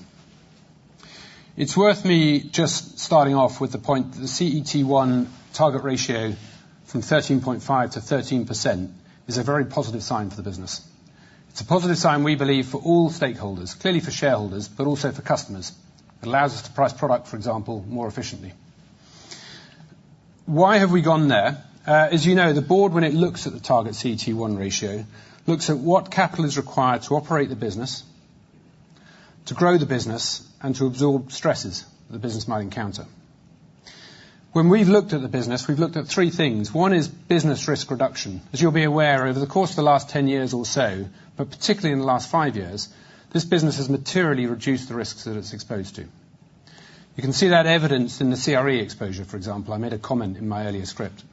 It's worth me just starting off with the point that the CET1 target ratio from 13.5%-13% is a very positive sign for the business. It's a positive sign, we believe, for all stakeholders, clearly for shareholders, but also for customers. It allows us to price product, for example, more efficiently. Why have we gone there? As you know, the board, when it looks at the target CET1 ratio, looks at what capital is required to operate the business, to grow the business, and to absorb stresses that the business might encounter. When we've looked at the business, we've looked at three things. One is business risk reduction. As you'll be aware, over the course of the last 10 years or so, but particularly in the last five years, this business has materially reduced the risks that it's exposed to. You can see that evidenced in the CRE exposure, for example. I made a comment in my earlier script.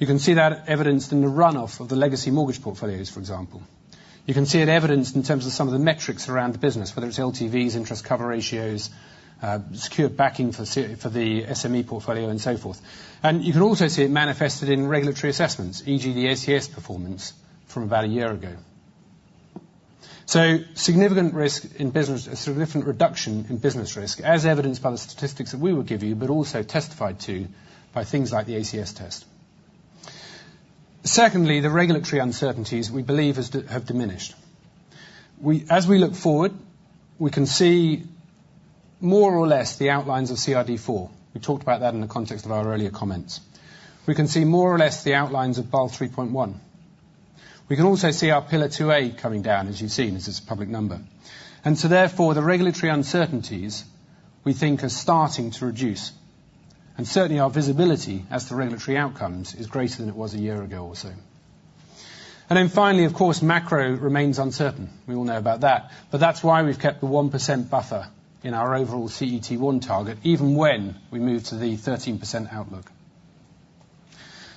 You can see that evidenced in the run-off of the legacy mortgage portfolios, for example. You can see it evidenced in terms of some of the metrics around the business, whether it's LTVs, interest cover ratios, secure backing for the SME portfolio, and so forth. And you can also see it manifested in regulatory assessments, e.g., the ACS performance from about a year ago. So significant risk in business, a significant reduction in business risk, as evidenced by the statistics that we will give you, but also testified to by things like the ACS test. Secondly, the regulatory uncertainties, we believe, have diminished. As we look forward, we can see more or less the outlines of CRD4. We talked about that in the context of our earlier comments. We can see more or less the outlines of Basel 3.1. We can also see our Pillar 2A coming down, as you've seen, as it's a public number. And so therefore, the regulatory uncertainties, we think, are starting to reduce. And certainly, our visibility as to regulatory outcomes is greater than it was a year ago or so. And then finally, of course, macro remains uncertain. We all know about that. But that's why we've kept the 1% buffer in our overall CET1 target, even when we move to the 13% outlook.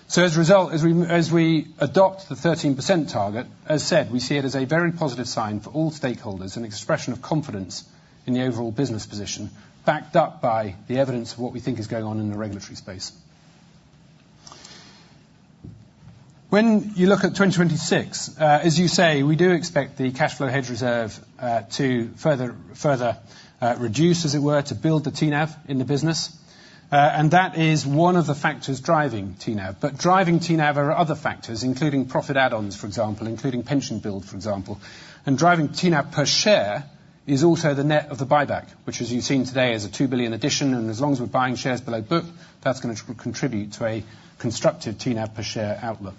So as a result, as we adopt the 13% target, as said, we see it as a very positive sign for all stakeholders, an expression of confidence in the overall business position, backed up by the evidence of what we think is going on in the regulatory space. When you look at 2026, as you say, we do expect the cash flow hedge reserve to further reduce, as it were, to build the TNAV in the business. And that is one of the factors driving TNAV. But driving TNAV are other factors, including profit add-ons, for example, including pension build, for example. And driving TNAV per share is also the net of the buyback, which, as you've seen today, is a 2 billion addition. And as long as we're buying shares below book, that's going to contribute to a constructive TNAV per share outlook.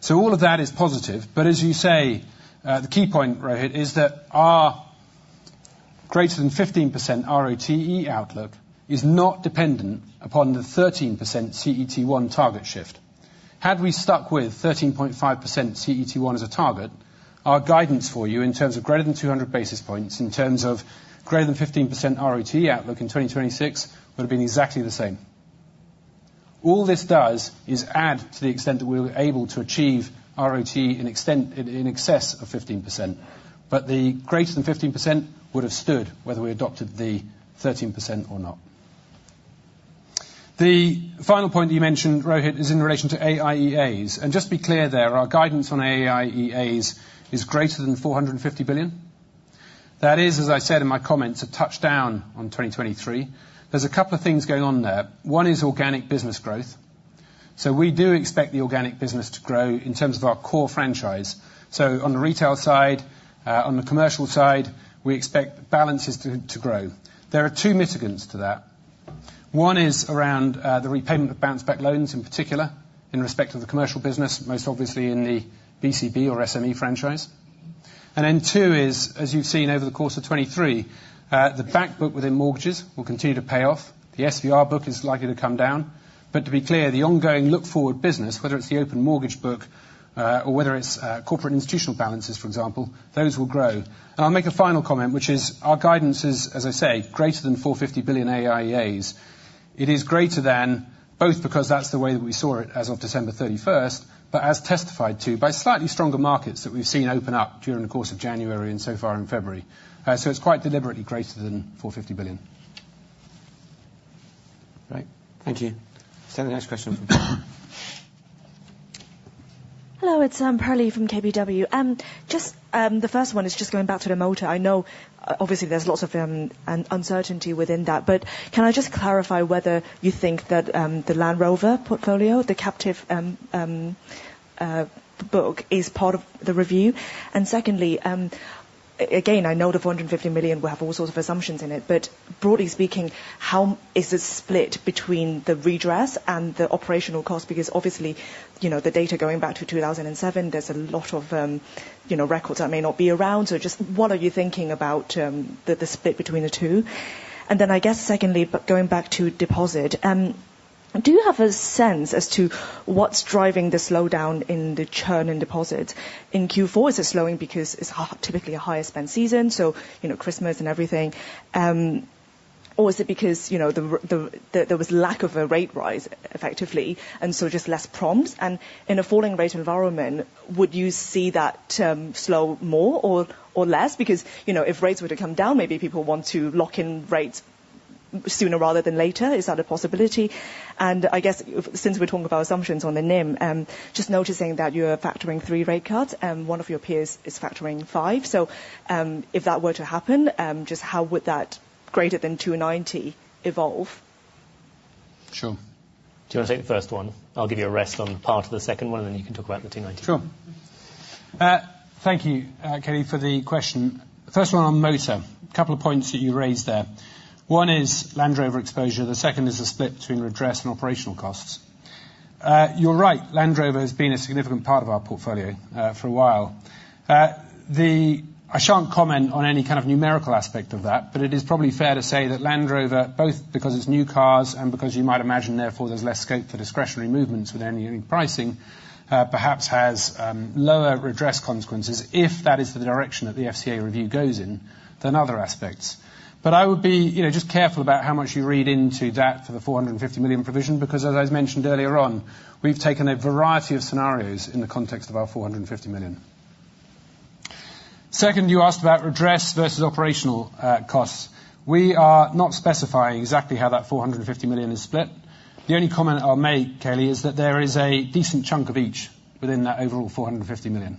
So all of that is positive. But as you say, the key point, Rohith, is that our greater than 15% ROTE outlook is not dependent upon the 13% CET1 target shift. Had we stuck with 13.5% CET1 as a target, our guidance for you in terms of greater than 200 basis points, in terms of greater than 15% ROTE outlook in 2026, would have been exactly the same. All this does is add to the extent that we're able to achieve ROTE in excess of 15%. But the greater than 15% would have stood, whether we adopted the 13% or not. The final point that you mentioned, Rohith, is in relation to AIEAs. And just to be clear there, our guidance on AIEAs is greater than 450 billion. That is, as I said in my comments, a touchdown on 2023. There's a couple of things going on there. One is organic business growth. So we do expect the organic business to grow in terms of our core franchise. So on the retail side, on the commercial side, we expect balances to grow. There are two mitigants to that. One is around the repayment of bounce-back loans, in particular, in respect to the commercial business, most obviously in the BCB or SME franchise. And then two is, as you've seen over the course of 2023, the backbook within mortgages will continue to pay off. The SVR book is likely to come down. But to be clear, the ongoing look-forward business, whether it's the open mortgage book or whether it's corporate institutional balances, for example, those will grow. And I'll make a final comment, which is our guidance is, as I say, greater than 450 billion AIEAs. It is greater than both because that's the way that we saw it as of December 31st, but as testified to by slightly stronger markets that we've seen open up during the course of January and so far in February. So it's quite deliberately greater than 450 billion. Right. Thank you. Stand to the next question from. Hello. It's Perlie from KBW. The first one is just going back to the motor. Obviously, there's lots of uncertainty within that. But can I just clarify whether you think that the Land Rover portfolio, the captive book, is part of the review? And secondly, again, I know the 450 million, we have all sorts of assumptions in it. But broadly speaking, how is the split between the redress and the operational cost? Because obviously, the data going back to 2007, there's a lot of records that may not be around. So just what are you thinking about the split between the two? And then I guess secondly, but going back to deposit, do you have a sense as to what's driving the slowdown in the churn in deposits? In Q4, is it slowing because it's typically a higher-spend season, so Christmas and everything? Or is it because there was lack of a rate rise, effectively, and so just less prompts? And in a falling rate environment, would you see that slow more or less? Because if rates were to come down, maybe people want to lock in rates sooner rather than later. Is that a possibility? And I guess since we're talking about assumptions on the NIM, just noticing that you're factoring three rate cuts and one of your peers is factoring five. So if that were to happen, just how would that greater than 290 evolve? Sure. Do you want to take the first one? I'll give you a rest on part of the second one, and then you can talk about the 290. Sure. Thank you, Perlie, for the question. First one on motor, a couple of points that you raised there. One is Land Rover exposure. The second is the split between redress and operational costs. You're right. Land Rover has been a significant part of our portfolio for a while. I can't comment on any kind of numerical aspect of that, but it is probably fair to say that Land Rover, both because it's new cars and because you might imagine, therefore, there's less scope for discretionary movements with any pricing, perhaps has lower redress consequences if that is the direction that the FCA review goes in than other aspects. But I would be just careful about how much you read into that for the 450 million provision because, as I mentioned earlier on, we've taken a variety of scenarios in the context of our 450 million. Second, you asked about redress versus operational costs. We are not specifying exactly how that 450 million is split. The only comment I'll make, Perlie, is that there is a decent chunk of each within that overall 450 million.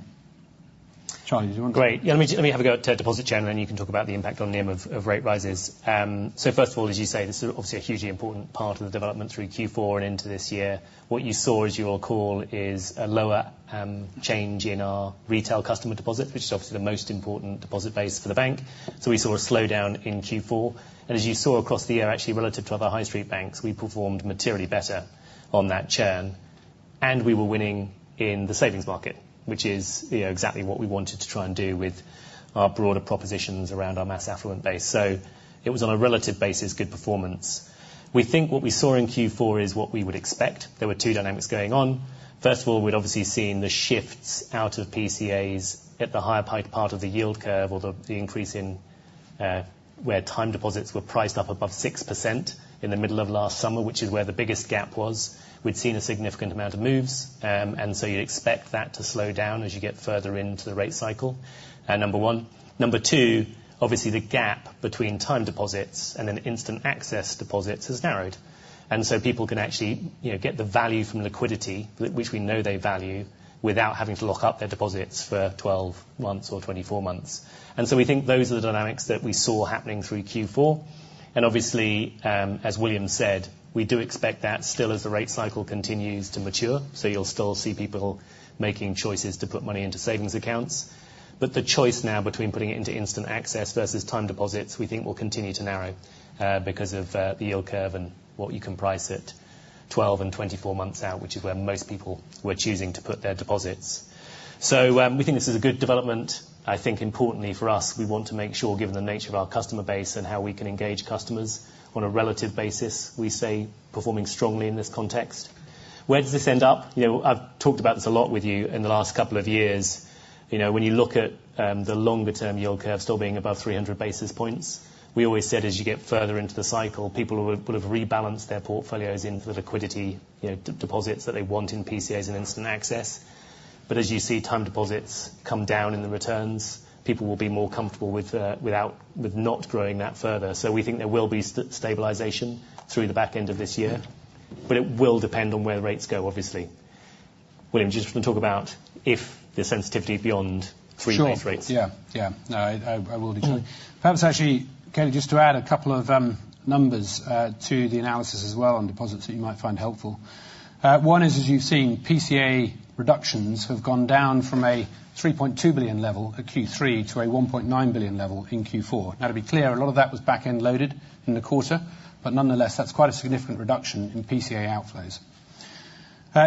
Charlie, do you want to? Great. Yeah. Let me have a go at deposit share, and then you can talk about the impact on NIM of rate rises. So first of all, as you say, this is obviously a hugely important part of the development through Q4 and into this year. What you saw, as you recall, is a lower change in our retail customer deposits, which is obviously the most important deposit base for the bank. So we saw a slowdown in Q4. And as you saw across the year, actually, relative to other high street banks, we performed materially better on that churn. And we were winning in the savings market, which is exactly what we wanted to try and do with our broader propositions around our mass affluent base. So it was on a relative basis good performance. We think what we saw in Q4 is what we would expect. There were two dynamics going on. First of all, we'd obviously seen the shifts out of PCAs at the higher part of the yield curve or the increase in where time deposits were priced up above 6% in the middle of last summer, which is where the biggest gap was. We'd seen a significant amount of moves. And so you'd expect that to slow down as you get further into the rate cycle, number one. Number two, obviously, the gap between time deposits and then instant access deposits has narrowed. And so people can actually get the value from liquidity, which we know they value, without having to lock up their deposits for 12 months or 24 months. And so we think those are the dynamics that we saw happening through Q4. And obviously, as William said, we do expect that still as the rate cycle continues to mature. So you'll still see people making choices to put money into savings accounts. But the choice now between putting it into instant access versus time deposits, we think, will continue to narrow because of the yield curve and what you can price it 12 and 24 months out, which is where most people were choosing to put their deposits. So we think this is a good development. I think, importantly for us, we want to make sure, given the nature of our customer base and how we can engage customers on a relative basis, we say performing strongly in this context. Where does this end up? I've talked about this a lot with you in the last couple of years. When you look at the longer-term yield curve still being above 300 basis points, we always said as you get further into the cycle, people will have rebalanced their portfolios into the liquidity deposits that they want in PCAs and instant access. But as you see time deposits come down in the returns, people will be more comfortable with not growing that further. So we think there will be stabilization through the back end of this year. But it will depend on where the rates go, obviously. William, do you just want to talk about the sensitivity beyond 3% rates? Sure. Yeah. Yeah. No, I will detail. Perhaps actually, Perlie, just to add a couple of numbers to the analysis as well on deposits that you might find helpful. One is, as you've seen, PCA reductions have gone down from a 3.2 billion level at Q3 to a 1.9 billion level in Q4. Now, to be clear, a lot of that was backend-loaded in the quarter. But nonetheless, that's quite a significant reduction in PCA outflows.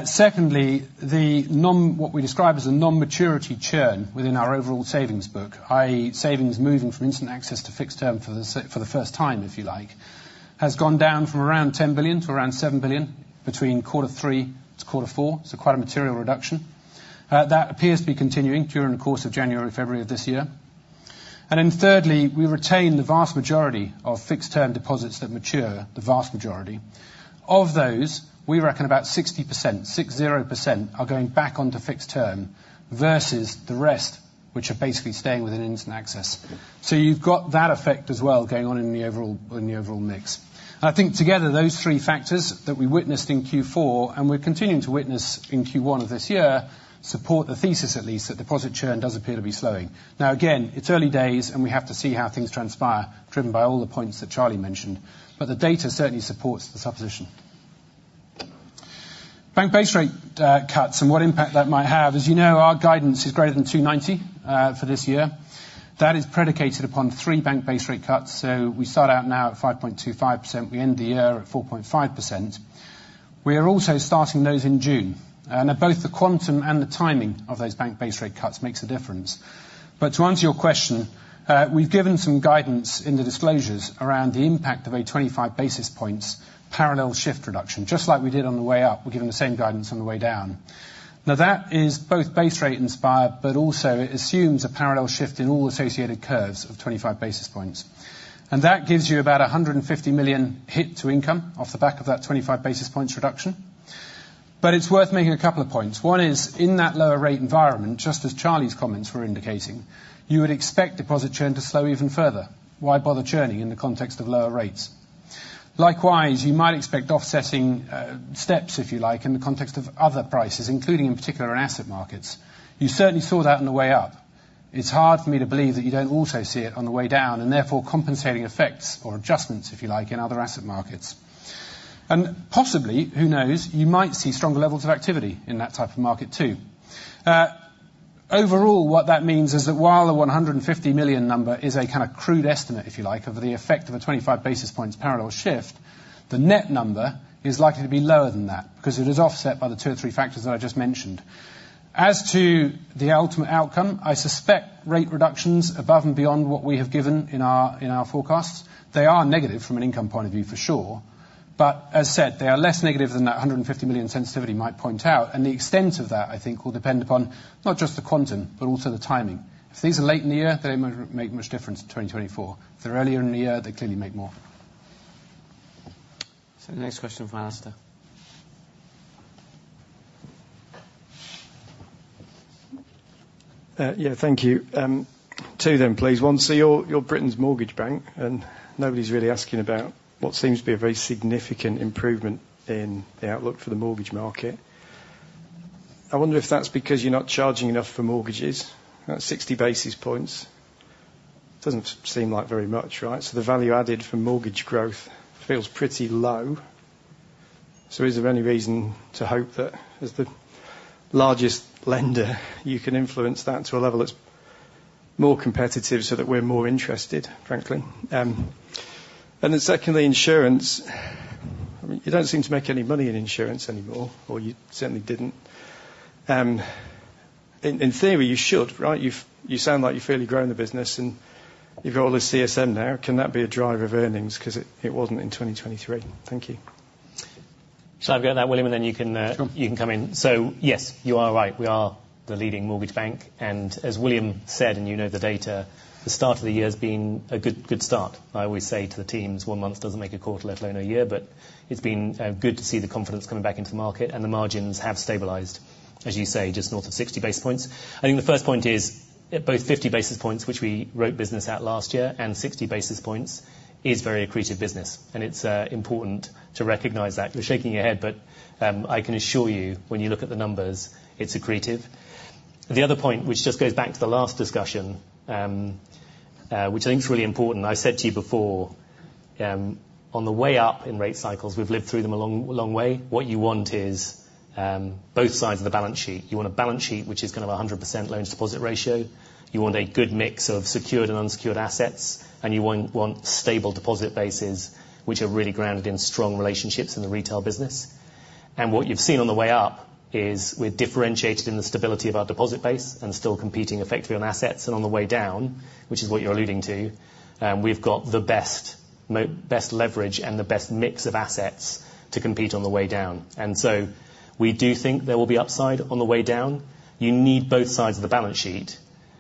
Secondly, what we describe as a non-maturity churn within our overall savings book, i.e., savings moving from instant access to fixed term for the first time, if you like, has gone down from around 10 billion to around 7 billion between quarter three to quarter four. So quite a material reduction. That appears to be continuing during the course of January, February of this year. Then thirdly, we retain the vast majority of fixed-term deposits that mature, the vast majority. Of those, we reckon about 60%, 60%, are going back onto fixed term versus the rest, which are basically staying within instant access. So you've got that effect as well going on in the overall mix. And I think together, those three factors that we witnessed in Q4 and we're continuing to witness in Q1 of this year support the thesis, at least, that deposit churn does appear to be slowing. Now, again, it's early days, and we have to see how things transpire, driven by all the points that Charlie mentioned. But the data certainly supports the supposition. Bank base rate cuts and what impact that might have. As you know, our guidance is greater than 290 for this year. That is predicated upon 3 bank base rate cuts. We start out now at 5.25%. We end the year at 4.5%. We are also starting those in June. Now, both the quantum and the timing of those bank base rate cuts makes a difference. But to answer your question, we've given some guidance in the disclosures around the impact of a 25 basis points parallel shift reduction. Just like we did on the way up, we're giving the same guidance on the way down. Now, that is both base rate inspired, but also it assumes a parallel shift in all associated curves of 25 basis points. And that gives you about a 150 million hit to income off the back of that 25 basis points reduction. But it's worth making a couple of points. One is, in that lower rate environment, just as Charlie's comments were indicating, you would expect deposit churn to slow even further. Why bother churning in the context of lower rates? Likewise, you might expect offsetting steps, if you like, in the context of other prices, including in particular in asset markets. You certainly saw that on the way up. It's hard for me to believe that you don't also see it on the way down and therefore compensating effects or adjustments, if you like, in other asset markets. And possibly, who knows, you might see stronger levels of activity in that type of market too. Overall, what that means is that while the 150 million number is a kind of crude estimate, if you like, of the effect of a 25 basis points parallel shift, the net number is likely to be lower than that because it is offset by the two or three factors that I just mentioned. As to the ultimate outcome, I suspect rate reductions above and beyond what we have given in our forecasts, they are negative from an income point of view, for sure. But as said, they are less negative than that 150 million sensitivity might point out. And the extent of that, I think, will depend upon not just the quantum but also the timing. If these are late in the year, they don't make much difference in 2024. If they're earlier in the year, they clearly make more. Stand to the next question from Alastair. Yeah. Thank you. Two, then, please. One, so you're Britain's mortgage bank, and nobody's really asking about what seems to be a very significant improvement in the outlook for the mortgage market. I wonder if that's because you're not charging enough for mortgages. That's 60 basis points. Doesn't seem like very much, right? So the value added from mortgage growth feels pretty low. So is there any reason to hope that as the largest lender, you can influence that to a level that's more competitive so that we're more interested, frankly? And then secondly, insurance. I mean, you don't seem to make any money in insurance anymore, or you certainly didn't. In theory, you should, right? You sound like you've fairly grown the business, and you've got all this CSM now. Can that be a driver of earnings because it wasn't in 2023? Thank you. So I've got that, William, and then you can come in. So yes, you are right. We are the leading mortgage bank. And as William said, and you know the data, the start of the year has been a good start. I always say to the teams, one month doesn't make a quarter, let alone a year. But it's been good to see the confidence coming back into the market, and the margins have stabilized, as you say, just north of 60 basis points. I think the first point is both 50 basis points, which we wrote business at last year, and 60 basis points is very accretive business. And it's important to recognize that. You're shaking your head, but I can assure you, when you look at the numbers, it's accretive. The other point, which just goes back to the last discussion, which I think's really important. I said to you before, on the way up in rate cycles, we've lived through them a long way. What you want is both sides of the balance sheet. You want a balance sheet which is kind of 100% loans-to-deposit ratio. You want a good mix of secured and unsecured assets. And you want stable deposit bases, which are really grounded in strong relationships in the retail business. And what you've seen on the way up is we're differentiated in the stability of our deposit base and still competing, effectively, on assets. And on the way down, which is what you're alluding to, we've got the best leverage and the best mix of assets to compete on the way down. And so we do think there will be upside on the way down. You need both sides of the balance sheet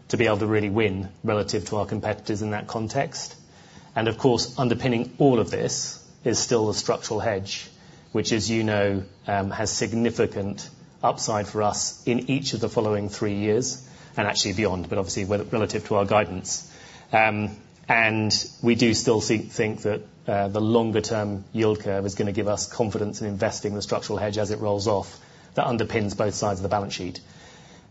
to be able to really win relative to our competitors in that context. And of course, underpinning all of this is still a structural hedge, which, as you know, has significant upside for us in each of the following three years and actually beyond, but obviously relative to our guidance. And we do still think that the longer-term yield curve is going to give us confidence in investing the structural hedge as it rolls off that underpins both sides of the balance sheet.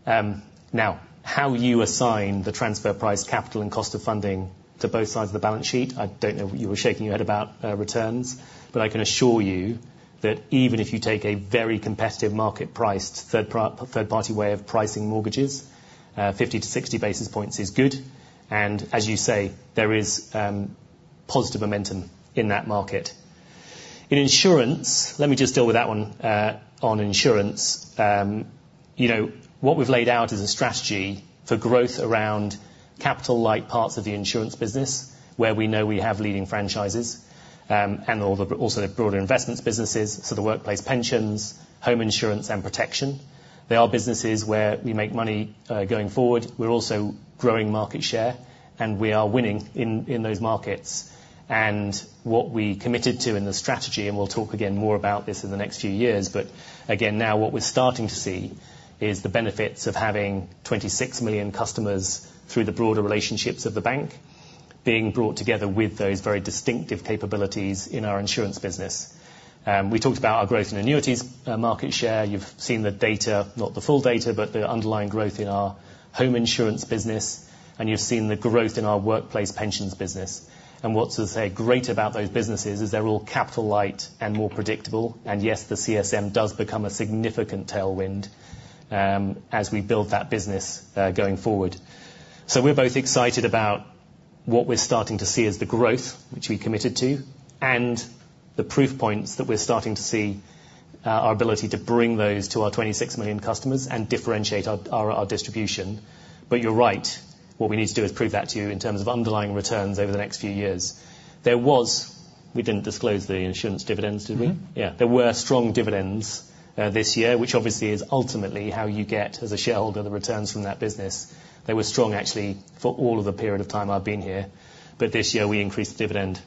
Now, how you assign the transfer price capital and cost of funding to both sides of the balance sheet, I don't know what you were shaking your head about returns. But I can assure you that even if you take a very competitive market-priced third-party way of pricing mortgages, 50-60 basis points is good. As you say, there is positive momentum in that market. In insurance, let me just deal with that one. On insurance, what we've laid out is a strategy for growth around capital-like parts of the insurance business where we know we have leading franchises and also the broader investments businesses, so the workplace pensions, home insurance, and protection. They are businesses where we make money going forward. We're also growing market share, and we are winning in those markets. And what we committed to in the strategy, and we'll talk again more about this in the next few years, but again, now what we're starting to see is the benefits of having 26 million customers through the broader relationships of the bank being brought together with those very distinctive capabilities in our insurance business. We talked about our growth in annuities market share. You've seen the data, not the full data, but the underlying growth in our home insurance business. You've seen the growth in our workplace pensions business. What's, as I say, great about those businesses is they're all capital-light and more predictable. Yes, the CSM does become a significant tailwind as we build that business going forward. We're both excited about what we're starting to see as the growth, which we committed to, and the proof points that we're starting to see, our ability to bring those to our 26 million customers and differentiate our distribution. You're right. What we need to do is prove that to you in terms of underlying returns over the next few years. There, we didn't disclose the insurance dividends, did we? Mm-hmm. Yeah. There were strong dividends this year, which obviously is ultimately how you get, as a shareholder, the returns from that business. They were strong, actually, for all of the period of time I've been here. But this year, we increased the dividend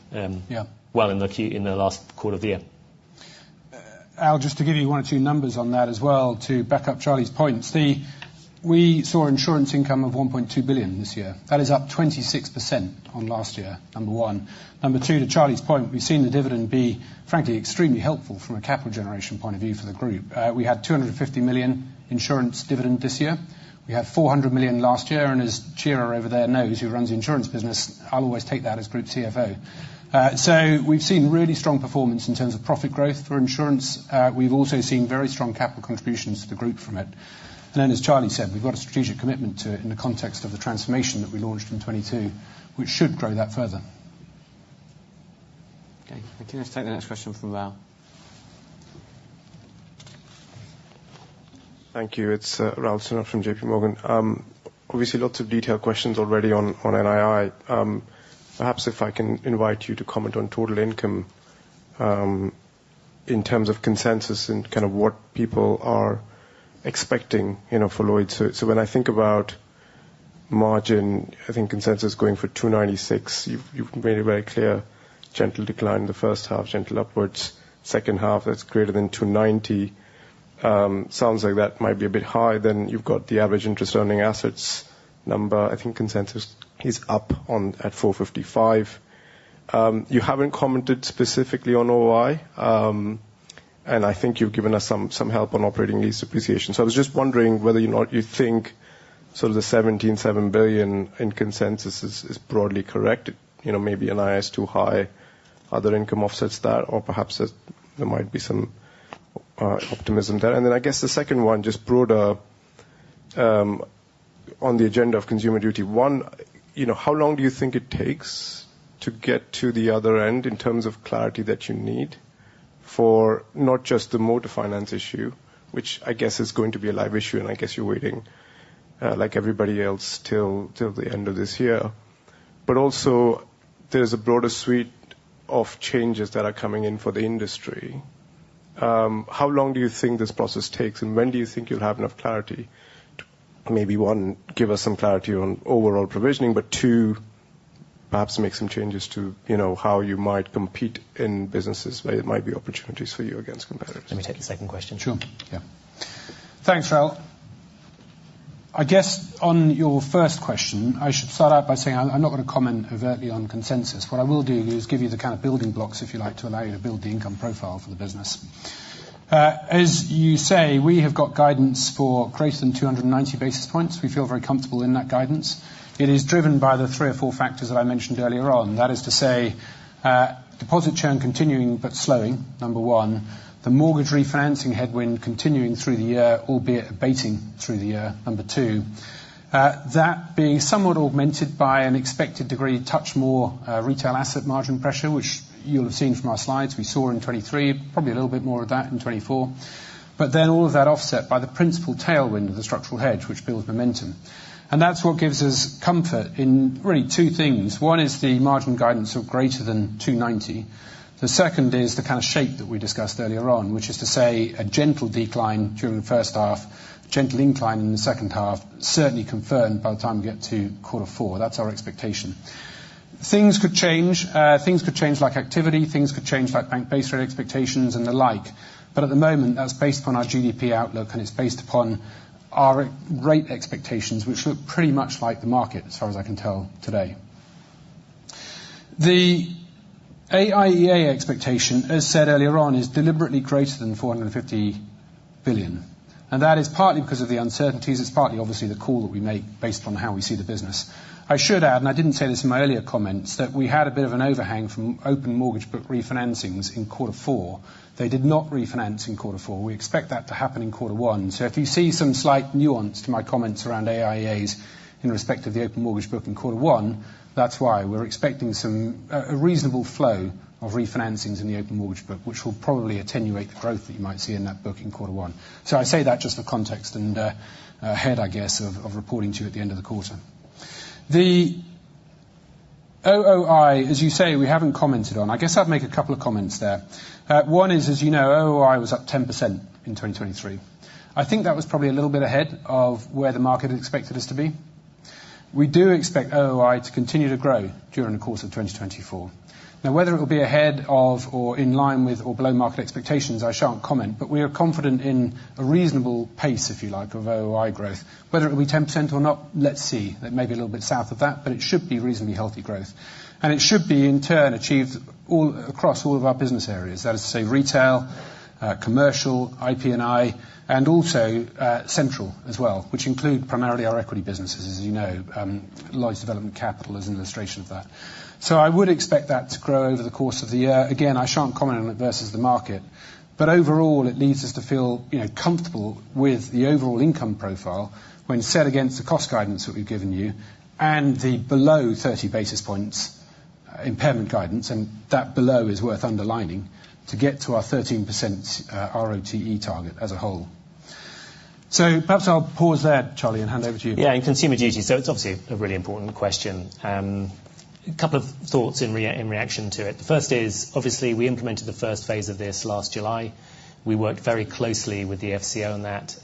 well in the last quarter of the year. Al, just to give you one or two numbers on that as well to back up Charlie's points. We saw insurance income of 1.2 billion this year. That is up 26% on last year, number one. Number two, to Charlie's point, we've seen the dividend be, frankly, extremely helpful from a capital generation point of view for the group. We had 250 million insurance dividend this year. We had 400 million last year. And as Chirantanan over there knows, who runs the insurance business, I'll always take that as group CFO. So we've seen really strong performance in terms of profit growth for insurance. We've also seen very strong capital contributions to the group from it. And then, as Charlie said, we've got a strategic commitment to it in the context of the transformation that we launched in 2022, which should grow that further. Okay. Can I just take the next question from Raul? Thank you. It's Raul Sinha from JP Morgan. Obviously, lots of detailed questions already on NII. Perhaps if I can invite you to comment on total income in terms of consensus and kind of what people are expecting for Lloyds. So when I think about margin, I think consensus going for 296. You've made a very clear gentle decline in the first half, gentle upwards. Second half, that's greater than 290. Sounds like that might be a bit high. Then you've got the average interest-earning assets number. I think consensus is up at 455. You haven't commented specifically on OI, and I think you've given us some help on operating lease depreciation. So I was just wondering whether you think sort of the 17.7 billion in consensus is broadly correct. Maybe NII is too high. Are there income offsets there? Or perhaps there might be some optimism there. And then I guess the second one, just broader on the agenda of Consumer Duty. One, how long do you think it takes to get to the other end in terms of clarity that you need for not just the motor finance issue, which I guess is going to be a live issue, and I guess you're waiting like everybody else till the end of this year. But also, there's a broader suite of changes that are coming in for the industry. How long do you think this process takes, and when do you think you'll have enough clarity to maybe, one, give us some clarity on overall provisioning, but two, perhaps make some changes to how you might compete in businesses where there might be opportunities for you against competitors? Let me take the second question. Sure. Yeah. Thanks, Raul. I guess on your first question, I should start out by saying I'm not going to comment overtly on consensus. What I will do is give you the kind of building blocks, if you like, to allow you to build the income profile for the business. As you say, we have got guidance for greater than 290 basis points. We feel very comfortable in that guidance. It is driven by the three or four factors that I mentioned earlier on. That is to say, deposit churn continuing but slowing, number one. The mortgage refinancing headwind continuing through the year, albeit abating through the year, number two. That being somewhat augmented by an expected degree touch more retail asset margin pressure, which you'll have seen from our Slides. We saw in 2023, probably a little bit more of that in 2024. But then all of that offset by the principal tailwind of the structural hedge, which builds momentum. And that's what gives us comfort in really two things. One is the margin guidance of greater than 290. The second is the kind of shape that we discussed earlier on, which is to say a gentle decline during the first half, gentle incline in the second half, certainly confirmed by the time we get to quarter four. That's our expectation. Things could change. Things could change like activity. Things could change like bank base rate expectations and the like. But at the moment, that's based upon our GDP outlook, and it's based upon our rate expectations, which look pretty much like the market as far as I can tell today. The AIEA expectation, as said earlier on, is deliberately greater than 450 billion. And that is partly because of the uncertainties. It's partly, obviously, the call that we make based upon how we see the business. I should add, and I didn't say this in my earlier comments, that we had a bit of an overhang from open mortgage book refinancings in quarter four. They did not refinance in quarter four. We expect that to happen in quarter one. So if you see some slight nuance to my comments around AIEAs in respect of the open mortgage book in quarter one, that's why. We're expecting a reasonable flow of refinancings in the open mortgage book, which will probably attenuate the growth that you might see in that book in quarter one. So I say that just for context and ahead, I guess, of reporting to you at the end of the quarter. The OOI, as you say, we haven't commented on. I guess I'd make a couple of comments there. One is, as you know, OOI was up 10% in 2023. I think that was probably a little bit ahead of where the market had expected us to be. We do expect OOI to continue to grow during the course of 2024. Now, whether it will be ahead of or in line with or below market expectations, I shan't comment. But we are confident in a reasonable pace, if you like, of OOI growth. Whether it will be 10% or not, let's see. That may be a little bit south of that, but it should be reasonably healthy growth. And it should be, in turn, achieved across all of our business areas. That is to say retail, commercial, IP&I, and also central as well, which include primarily our equity businesses, as you know. Lloyds Development Capital is an illustration of that. So I would expect that to grow over the course of the year. Again, I shan't comment on it versus the market. But overall, it leaves us to feel comfortable with the overall income profile when set against the cost guidance that we've given you and the below 30 basis points impairment guidance. And that below is worth underlining to get to our 13% ROTE target as a whole. So perhaps I'll pause there, Charlie, and hand over to you. Yeah. In Consumer Duty. So it's obviously a really important question. A couple of thoughts in reaction to it. The first is, obviously, we implemented the first phase of this last July. We worked very closely with the FCA on that.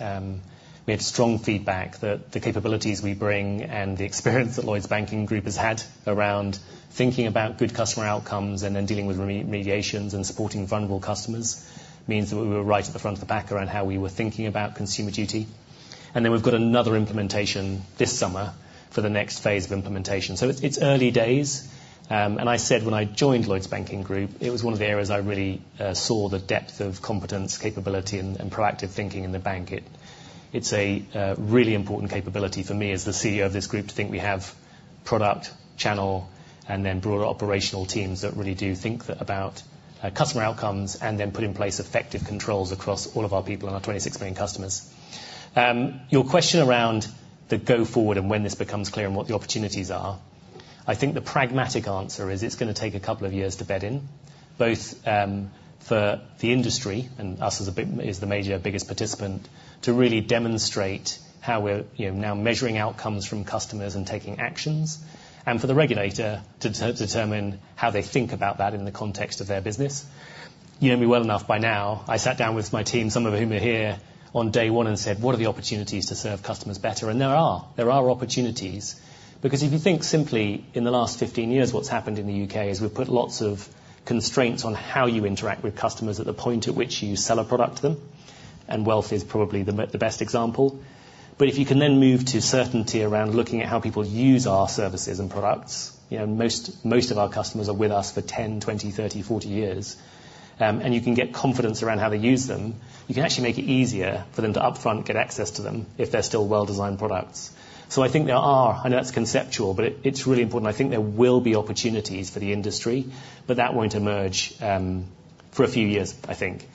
We had strong feedback that the capabilities we bring and the experience that Lloyds Banking Group has had around thinking about good customer outcomes and then dealing with remediations and supporting vulnerable customers means that we were right at the front of the pack around how we were thinking about Consumer Duty. And then we've got another implementation this summer for the next phase of implementation. So it's early days. And I said when I joined Lloyds Banking Group, it was one of the areas I really saw the depth of competence, capability, and proactive thinking in the bank. It's a really important capability for me as the CEO of this group to think we have product, channel, and then broader operational teams that really do think about customer outcomes and then put in place effective controls across all of our people and our 26 million customers. Your question around the go forward and when this becomes clear and what the opportunities are, I think the pragmatic answer is it's going to take a couple of years to bed in, both for the industry and us as the major biggest participant to really demonstrate how we're now measuring outcomes from customers and taking actions, and for the regulator to determine how they think about that in the context of their business. You know me well enough by now. I sat down with my team, some of whom are here on day one, and said, "What are the opportunities to serve customers better?" There are. There are opportunities. Because if you think simply in the last 15 years, what's happened in the U.K. is we've put lots of constraints on how you interact with customers at the point at which you sell a product to them. And wealth is probably the best example. But if you can then move to certainty around looking at how people use our services and products (most of our customers are with us for 10, 20, 30, 40 years) and you can get confidence around how they use them, you can actually make it easier for them to upfront get access to them if they're still well-designed products. So I think there are, I know that's conceptual, but it's really important. I think there will be opportunities for the industry, but that won't emerge for a few years, I think.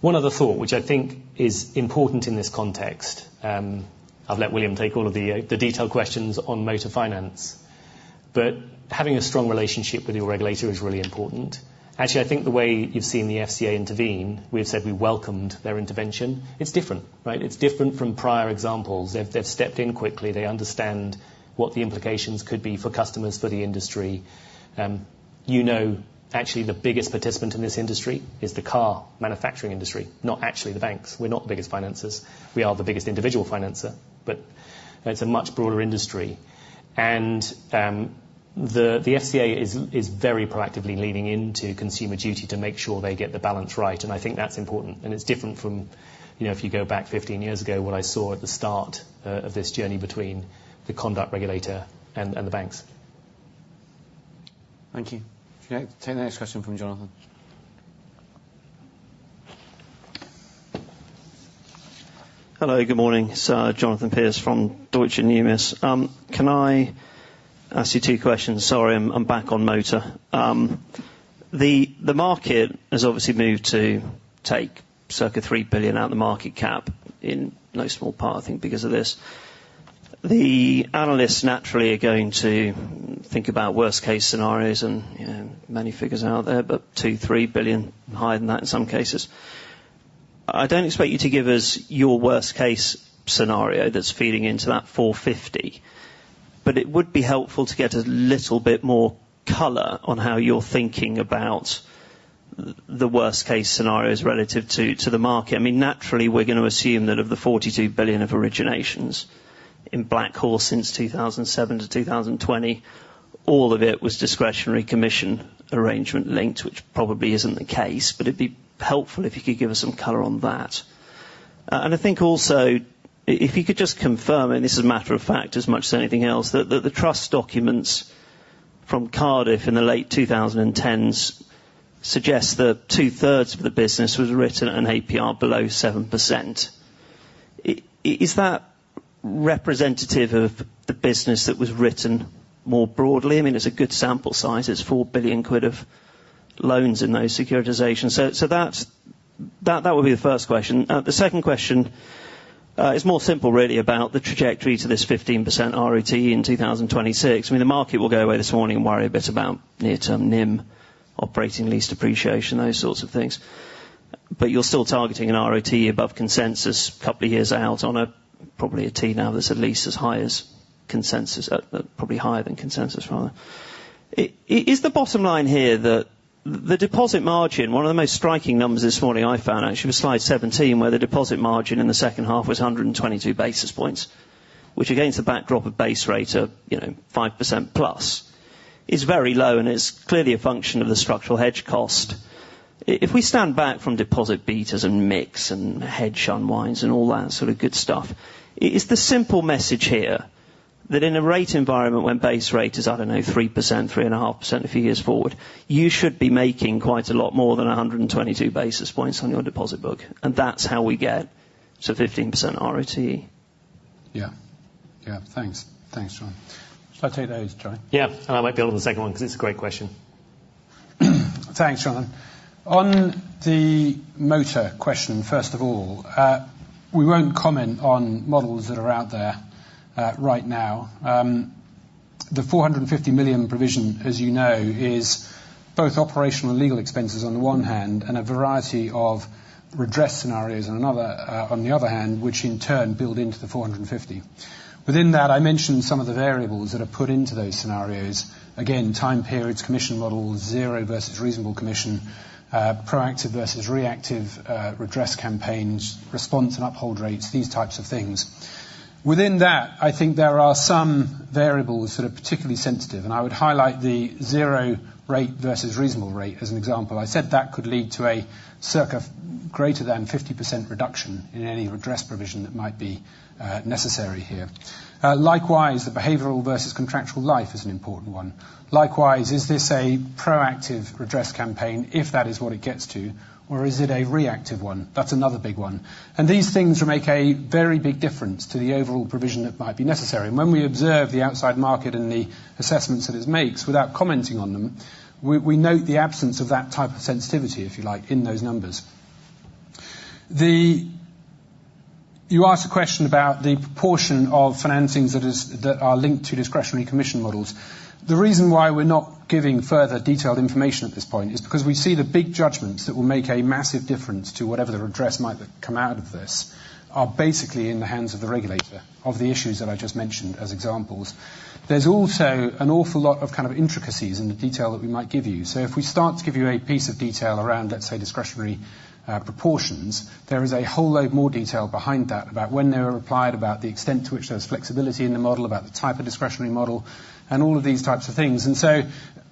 One other thought, which I think is important in this context - I've let William take all of the detailed questions on motor finance - but having a strong relationship with your regulator is really important. Actually, I think the way you've seen the FCA intervene - we've said we welcomed their intervention - it's different, right? It's different from prior examples. They've stepped in quickly. They understand what the implications could be for customers, for the industry. You know actually the biggest participant in this industry is the car manufacturing industry, not actually the banks. We're not the biggest financers. We are the biggest individual financer, but it's a much broader industry. And the FCA is very proactively leaning into Consumer Duty to make sure they get the balance right. I think that's important. It's different from if you go back 15 years ago, what I saw at the start of this journey between the conduct regulator and the banks. Thank you. Take the next question from Jonathan. Hello. Good morning. Jonathan Pierce from Deutsche Bank. Can I ask you two2 questions? Sorry, I'm back on motor. The market has obviously moved to take circa 3 billion out of the market cap in no small part, I think, because of this. The analysts, naturally, are going to think about worst-case scenarios and many figures out there, but 2 billion, 3 billion, higher than that in some cases. I don't expect you to give us your worst-case scenario that's feeding into that 450. But it would be helpful to get a little bit more color on how you're thinking about the worst-case scenarios relative to the market. I mean, naturally, we're going to assume that of the 42 billion of originations in Black Horse since 2007 to 2020, all of it was discretionary commission arrangement linked, which probably isn't the case. But it'd be helpful if you could give us some color on that. And I think also, if you could just confirm, and this is a matter of fact as much as anything else, that the trust documents from Cardiff in the late 2010s suggest that two-thirds of the business was written at an APR below 7%. Is that representative of the business that was written more broadly? I mean, it's a good sample size. It's 4 billion quid of loans in those securitizations. So that would be the first question. The second question is more simple, really, about the trajectory to this 15% ROTE in 2026. I mean, the market will go away this morning and worry a bit about near-term NIM, operating lease depreciation, those sorts of things. But you're still targeting an ROTE above consensus a couple of years out on probably a T now that's at least as high as consensus probably higher than consensus, rather. Is the bottom line here that the deposit margin one of the most striking numbers this morning, I found, actually, was Slide 17, where the deposit margin in the second half was 122 basis points, which, against the backdrop of base rate of 5%+, is very low. And it's clearly a function of the structural hedge cost. If we stand back from deposit betas and mix and hedge unwinds and all that sort of good stuff, is the simple message here that in a rate environment when base rate is, I don't know, 3%, 3.5% a few years forward, you should be making quite a lot more than 122 basis points on your deposit book? That's how we get to 15% ROTE. Yeah. Yeah. Thanks. Thanks, Jon. Shall I take those, Jon? Yeah. I might be able to take the second one because it's a great question. Thanks, Jon. On the motor question, first of all, we won't comment on models that are out there right now. The 450 million provision, as you know, is both operational and legal expenses on the one hand and a variety of redress scenarios on the other hand, which in turn build into the 450. Within that, I mentioned some of the variables that are put into those scenarios. Again, time periods, commission models, zero versus reasonable commission, proactive versus reactive redress campaigns, response and uphold rates, these types of things. Within that, I think there are some variables that are particularly sensitive. And I would highlight the zero rate versus reasonable rate as an example. I said that could lead to a circa greater than 50% reduction in any redress provision that might be necessary here. Likewise, the behavioral versus contractual life is an important one. Likewise, is this a proactive redress campaign, if that is what it gets to, or is it a reactive one? That's another big one. And these things make a very big difference to the overall provision that might be necessary. And when we observe the outside market and the assessments that it makes without commenting on them, we note the absence of that type of sensitivity, if you like, in those numbers. You asked a question about the proportion of financings that are linked to discretionary commission models. The reason why we're not giving further detailed information at this point is because we see the big judgments that will make a massive difference to whatever the redress might come out of this are basically in the hands of the regulator, of the issues that I just mentioned as examples. There's also an awful lot of kind of intricacies in the detail that we might give you. So if we start to give you a piece of detail around, let's say, discretionary proportions, there is a whole load more detail behind that about when they were applied about the extent to which there was flexibility in the model, about the type of discretionary model, and all of these types of things. And so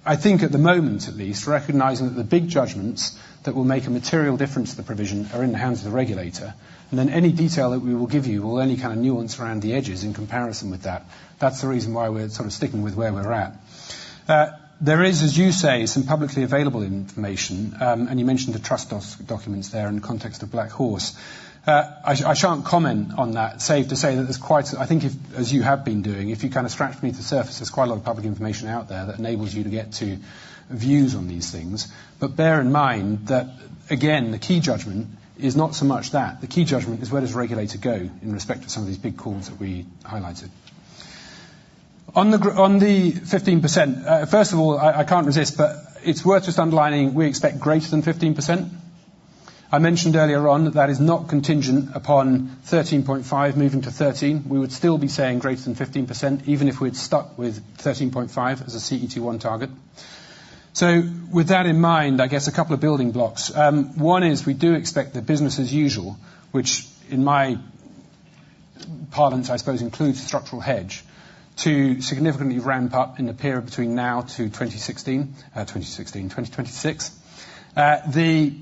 I think at the moment, at least, recognizing that the big judgments that will make a material difference to the provision are in the hands of the regulator. And then any detail that we will give you or any kind of nuance around the edges in comparison with that, that's the reason why we're sort of sticking with where we're at. There is, as you say, some publicly available information. You mentioned the trust documents there in the context of Black Horse. I shan't comment on that, save to say that there's quite a, I think, as you have been doing, if you kind of scratched the surface, there's quite a lot of public information out there that enables you to get to views on these things. But bear in mind that, again, the key judgment is not so much that. The key judgment is where does the regulator go in respect to some of these big calls that we highlighted. On the 15%, first of all, I can't resist, but it's worth just underlining we expect greater than 15%. I mentioned earlier on that that is not contingent upon 13.5 moving to 13. We would still be saying greater than 15% even if we'd stuck with 13.5 as a CET1 target. So with that in mind, I guess a couple of building blocks. One is we do expect the business as usual, which in my parlance, I suppose, includes structural hedge, to significantly ramp up in the period between now to 2026. The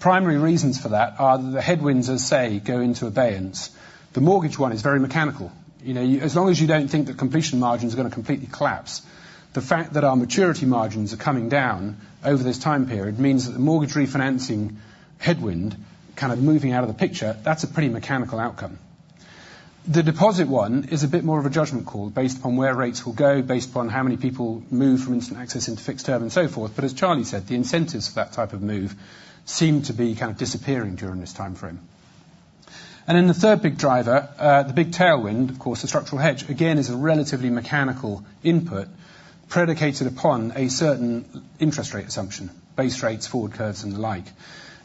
primary reasons for that are that the headwinds, as they say, go into abeyance. The mortgage one is very mechanical. As long as you don't think the completion margins are going to completely collapse, the fact that our maturity margins are coming down over this time period means that the mortgage refinancing headwind kind of moving out of the picture, that's a pretty mechanical outcome. The deposit one is a bit more of a judgment call based upon where rates will go, based upon how many people move from instant access into fixed term and so forth. But as Charlie said, the incentives for that type of move seem to be kind of disappearing during this time frame. And then the third big driver, the big tailwind, of course, the structural hedge, again, is a relatively mechanical input predicated upon a certain interest rate assumption, base rates, forward curves, and the like.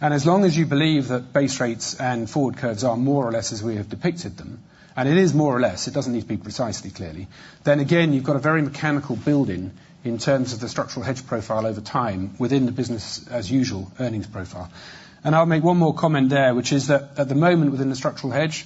And as long as you believe that base rates and forward curves are more or less as we have depicted them and it is more or less, it doesn't need to be precisely clearly, then again, you've got a very mechanical building in terms of the structural hedge profile over time within the business as usual earnings profile. And I'll make one more comment there, which is that at the moment, within the structural hedge,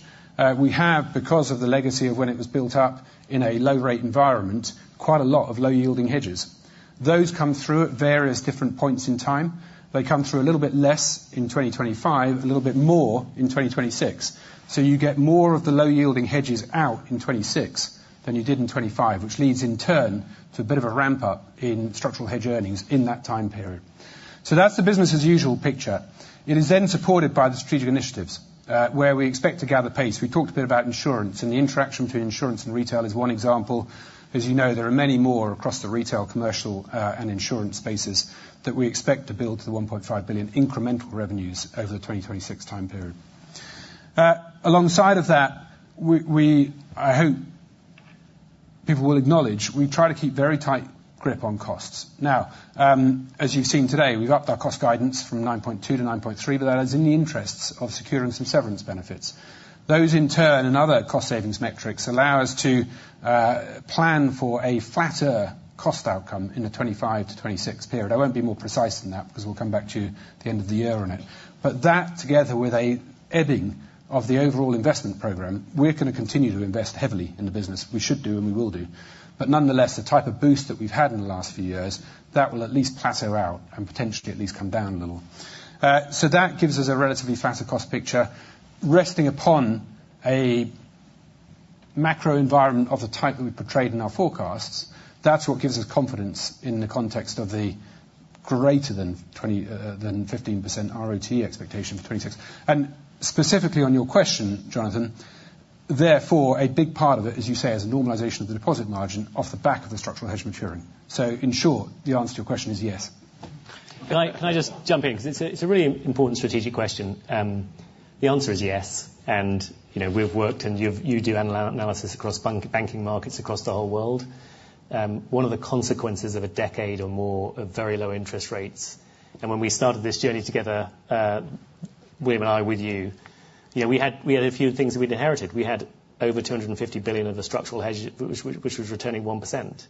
we have, because of the legacy of when it was built up in a low-rate environment, quite a lot of low-yielding hedges. Those come through at various different points in time. They come through a little bit less in 2025, a little bit more in 2026. So you get more of the low-yielding hedges out in 2026 than you did in 2025, which leads in turn to a bit of a ramp-up in structural hedge earnings in that time period. So that's the business as usual picture. It is then supported by the strategic initiatives where we expect to gather pace. We talked a bit about insurance, and the interaction between insurance and retail is one example. As you know, there are many more across the retail, commercial, and insurance spaces that we expect to build to the 1.5 billion incremental revenues over the 2026 time period. Alongside of that, I hope people will acknowledge we try to keep very tight grip on costs. Now, as you've seen today, we've upped our cost guidance from 9.2 billion to 9.3 billion, but that is in the interests of securing some severance benefits. Those, in turn, and other cost-savings metrics allow us to plan for a flatter cost outcome in the 2025-2026 period. I won't be more precise than that because we'll come back to you at the end of the year on it. But that, together with a ebbing of the overall investment program, we're going to continue to invest heavily in the business. We should do, and we will do. Nonetheless, the type of boost that we've had in the last few years, that will at least plateau out and potentially at least come down a little. So that gives us a relatively flatter cost picture. Resting upon a macro environment of the type that we portrayed in our forecasts, that's what gives us confidence in the context of the greater than 15% ROTE expectation for 2026. Specifically on your question, Jonathan, therefore, a big part of it, as you say, is a normalization of the deposit margin off the back of the structural hedge maturing. So in short, the answer to your question is yes. Can I just jump in? Because it's a really important strategic question. The answer is yes. And we've worked, and you do analysis across banking markets across the whole world. One of the consequences of a decade or more of very low interest rates and when we started this journey together, William and I, with you, we had a few things that we'd inherited. We had over 250 billion of a structural hedge, which was returning 1%.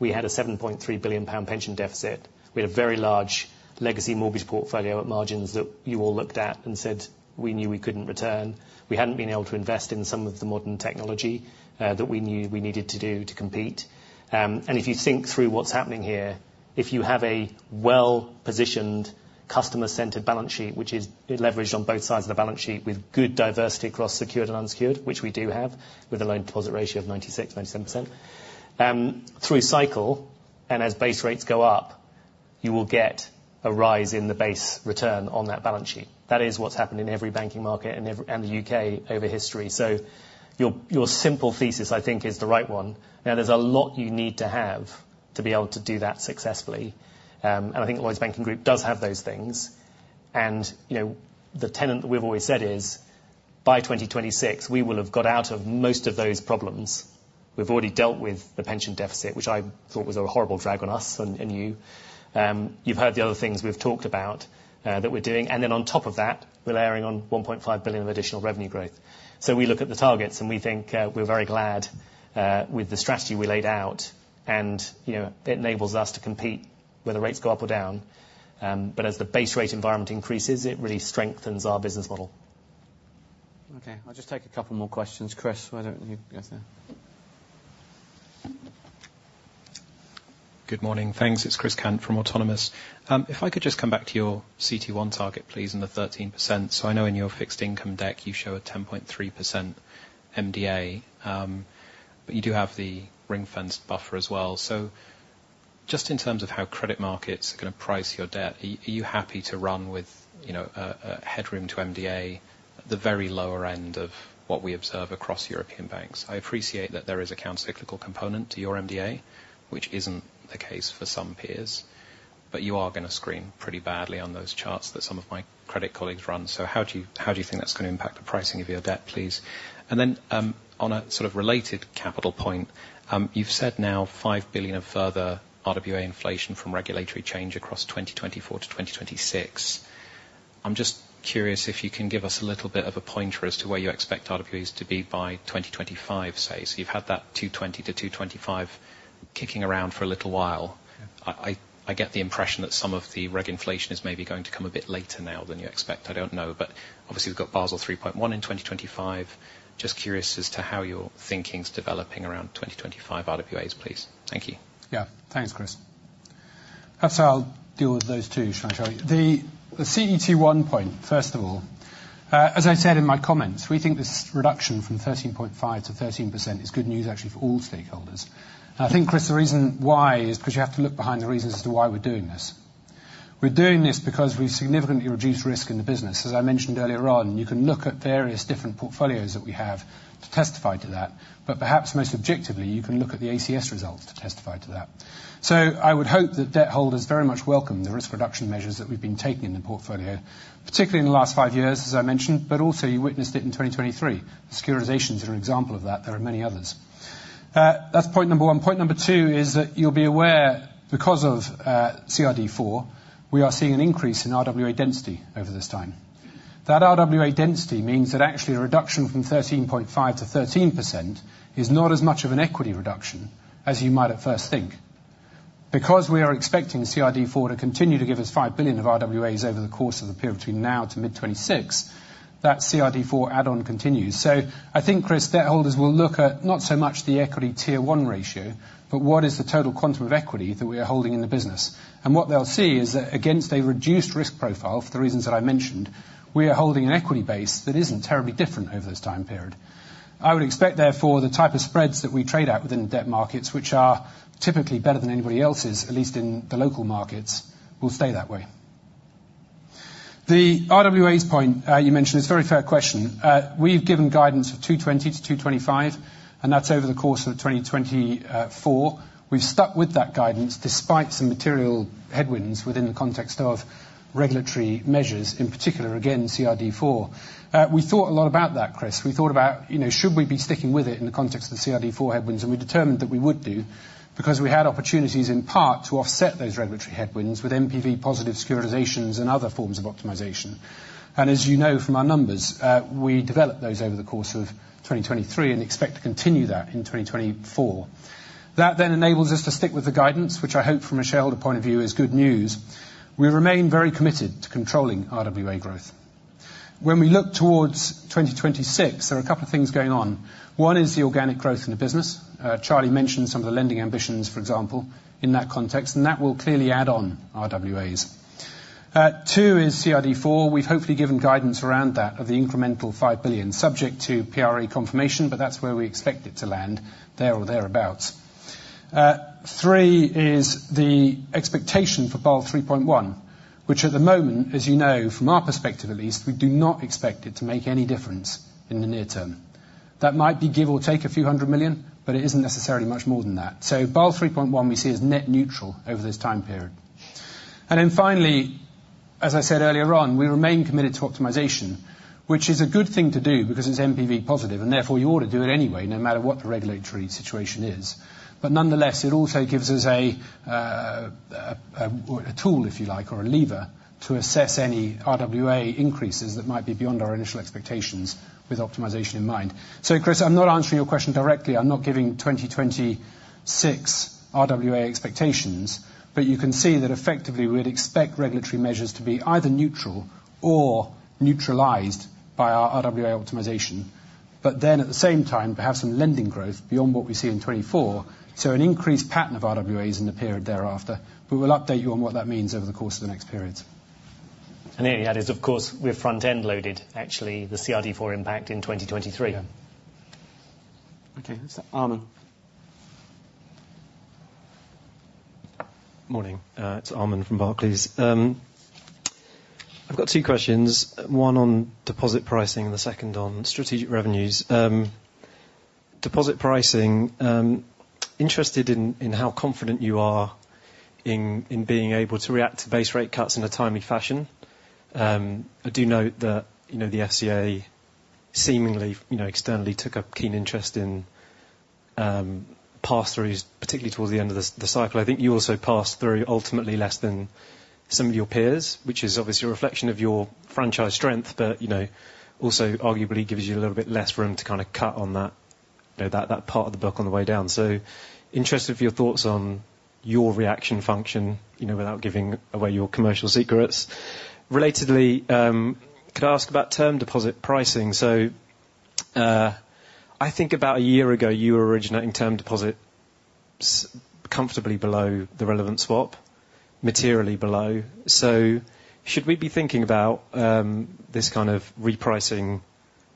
We had a 7.3 billion pound pension deficit. We had a very large legacy mortgage portfolio at margins that you all looked at and said we knew we couldn't return. We hadn't been able to invest in some of the modern technology that we knew we needed to do to compete. If you think through what's happening here, if you have a well-positioned, customer-centered balance sheet, which is leveraged on both sides of the balance sheet with good diversity across secured and unsecured, which we do have with a loan-to-deposit ratio of 96%-97%, through cycle and as base rates go up, you will get a rise in the base return on that balance sheet. That is what's happened in every banking market and the U.K. over history. Your simple thesis, I think, is the right one. Now, there's a lot you need to have to be able to do that successfully. I think Lloyds Banking Group does have those things. The tenet that we've always said is by 2026, we will have got out of most of those problems. We've already dealt with the pension deficit, which I thought was a horrible drag on us and you. You've heard the other things we've talked about that we're doing. Then on top of that, we're layering on 1.5 billion of additional revenue growth. We look at the targets, and we think we're very glad with the strategy we laid out. It enables us to compete whether rates go up or down. But as the base rate environment increases, it really strengthens our business model. Okay. I'll just take a couple more questions. Chris, why don't you go there? Good morning. Thanks. It's Chris Kent from Autonomous. If I could just come back to your CET1 target, please, and the 13%. So I know in your fixed income deck, you show a 10.3% MDA. But you do have the ring-fenced buffer as well. So just in terms of how credit markets are going to price your debt, are you happy to run with a headroom to MDA, the very lower end of what we observe across European banks? I appreciate that there is a countercyclical component to your MDA, which isn't the case for some peers. But you are going to screen pretty badly on those charts that some of my credit colleagues run. So how do you think that's going to impact the pricing of your debt, please? Then on a sort of related capital point, you've said now 5 billion of further RWA inflation from regulatory change across 2024-2026. I'm just curious if you can give us a little bit of a pointer as to where you expect RWAs to be by 2025, say. So you've had that 220-225 kicking around for a little while. I get the impression that some of the reg inflation is maybe going to come a bit later now than you expect. I don't know. But obviously, we've got Basel 3.1 in 2025. Just curious as to how your thinking's developing around 2025 RWAs, please. Thank you. Yeah. Thanks, Chris. Perhaps I'll deal with those two, Charlie. The CET1 point, first of all, as I said in my comments, we think this reduction from 13.5%-13% is good news, actually, for all stakeholders. I think, Chris, the reason why is because you have to look behind the reasons as to why we're doing this. We're doing this because we've significantly reduced risk in the business. As I mentioned earlier on, you can look at various different portfolios that we have to testify to that. But perhaps most objectively, you can look at the ACS results to testify to that. So I would hope that debt holders very much welcome the risk reduction measures that we've been taking in the portfolio, particularly in the last five years, as I mentioned, but also you witnessed it in 2023. The securitizations are an example of that. There are many others. That's point number one. Point number two is that you'll be aware because of CRD4, we are seeing an increase in RWA density over this time. That RWA density means that actually a reduction from 13.5%-13% is not as much of an equity reduction as you might at first think. Because we are expecting CRD4 to continue to give us 5 billion of RWAs over the course of the period between now to mid-2026, that CRD4 add-on continues. So I think, Chris, debt holders will look at not so much the equity tier one ratio, but what is the total quantum of equity that we are holding in the business. And what they'll see is that against a reduced risk profile, for the reasons that I mentioned, we are holding an equity base that isn't terribly different over this time period. I would expect, therefore, the type of spreads that we trade out within debt markets, which are typically better than anybody else's, at least in the local markets, will stay that way. The RWAs point you mentioned is a very fair question. We've given guidance of 220-225, and that's over the course of 2024. We've stuck with that guidance despite some material headwinds within the context of regulatory measures, in particular, again, CRD4. We thought a lot about that, Chris. We thought about should we be sticking with it in the context of the CRD4 headwinds. And we determined that we would do because we had opportunities, in part, to offset those regulatory headwinds with NPV-positive securitizations and other forms of optimization. And as you know from our numbers, we developed those over the course of 2023 and expect to continue that in 2024. That then enables us to stick with the guidance, which I hope from a shareholder point of view is good news. We remain very committed to controlling RWA growth. When we look towards 2026, there are a couple of things going on. One is the organic growth in the business. Charlie mentioned some of the lending ambitions, for example, in that context. And that will clearly add on RWAs. Two is CRD4. We've hopefully given guidance around that of the incremental 5 billion, subject to PRA confirmation, but that's where we expect it to land there or thereabouts. Three is the expectation for Basel 3.1, which at the moment, as you know, from our perspective at least, we do not expect it to make any difference in the near term. That might be give or take a few hundred million GBP, but it isn't necessarily much more than that. Basel 3.1 we see as net neutral over this time period. Then finally, as I said earlier on, we remain committed to optimization, which is a good thing to do because it's MPV-positive. Therefore, you ought to do it anyway, no matter what the regulatory situation is. But nonetheless, it also gives us a tool, if you like, or a lever to assess any RWA increases that might be beyond our initial expectations with optimization in mind. So, Chris, I'm not answering your question directly. I'm not giving 2026 RWA expectations. But you can see that effectively, we'd expect regulatory measures to be either neutral or neutralized by our RWA optimization. But then at the same time, perhaps some lending growth beyond what we see in 2024, so an increased pattern of RWAs in the period thereafter. But we'll update you on what that means over the course of the next periods. The only add is, of course, we're front-end loaded, actually, the CRD4 impact in 2023. Okay. That's Armand. Morning. It's Aman from Barclays. I've got two questions, one on deposit pricing and the second on strategic revenues. Deposit pricing, interested in how confident you are in being able to react to base rate cuts in a timely fashion. I do note that the FCA seemingly externally took a keen interest in pass-throughs, particularly towards the end of the cycle. I think you also passed through, ultimately, less than some of your peers, which is obviously a reflection of your franchise strength, but also arguably gives you a little bit less room to kind of cut on that part of the book on the way down. So interested for your thoughts on your reaction function without giving away your commercial secrets. Relatedly, could I ask about term deposit pricing? So I think about a year ago, you were originating term deposits comfortably below the relevant swap, materially below. So should we be thinking about this kind of repricing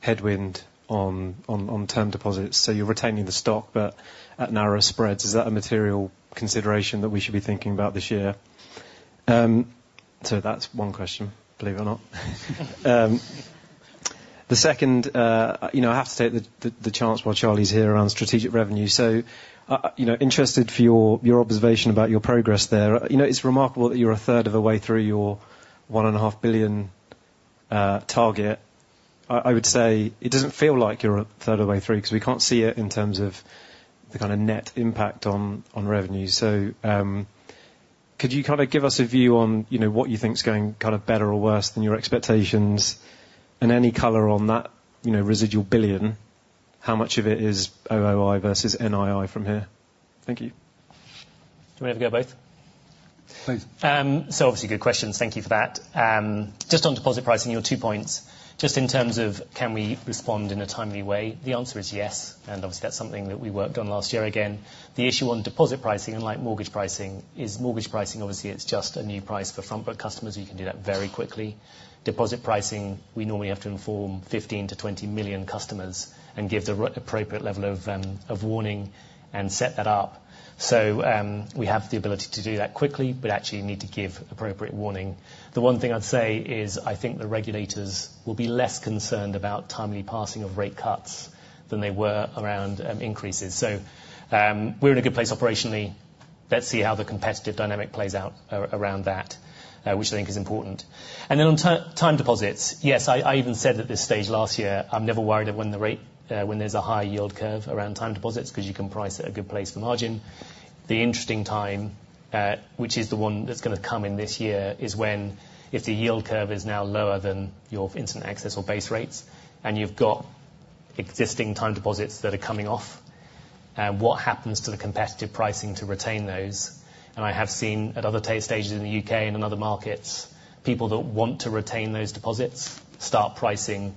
headwind on term deposits? So you're retaining the stock, but at narrower spreads. Is that a material consideration that we should be thinking about this year? So that's one question, believe it or not. The second, I have to take the chance while Charlie's here around strategic revenue. So interested for your observation about your progress there. It's remarkable that you're a third of the way through your 1.5 billion target. I would say it doesn't feel like you're a third of the way through because we can't see it in terms of the kind of net impact on revenues. So could you kind of give us a view on what you think's going kind of better or worse than your expectations? And any color on that residual 1 billion, how much of it is OOI versus NII from here? Thank you. Do we want to have a go both? Please. So obviously, good questions. Thank you for that. Just on deposit pricing, your two points. Just in terms of can we respond in a timely way, the answer is yes. And obviously, that's something that we worked on last year. Again, the issue on deposit pricing, unlike mortgage pricing, is mortgage pricing, obviously, it's just a new price for front-book customers. You can do that very quickly. Deposit pricing, we normally have to inform 15-20 million customers and give the appropriate level of warning and set that up. So we have the ability to do that quickly, but actually need to give appropriate warning. The one thing I'd say is I think the regulators will be less concerned about timely passing of rate cuts than they were around increases. So we're in a good place operationally. Let's see how the competitive dynamic plays out around that, which I think is important. Then on time deposits, yes, I even said at this stage last year, I'm never worried when there's a high yield curve around time deposits because you can price at a good place for margin. The interesting time, which is the one that's going to come in this year, is when if the yield curve is now lower than your instant access or base rates and you've got existing time deposits that are coming off, what happens to the competitive pricing to retain those? And I have seen at other stages in the UK and in other markets, people that want to retain those deposits start pricing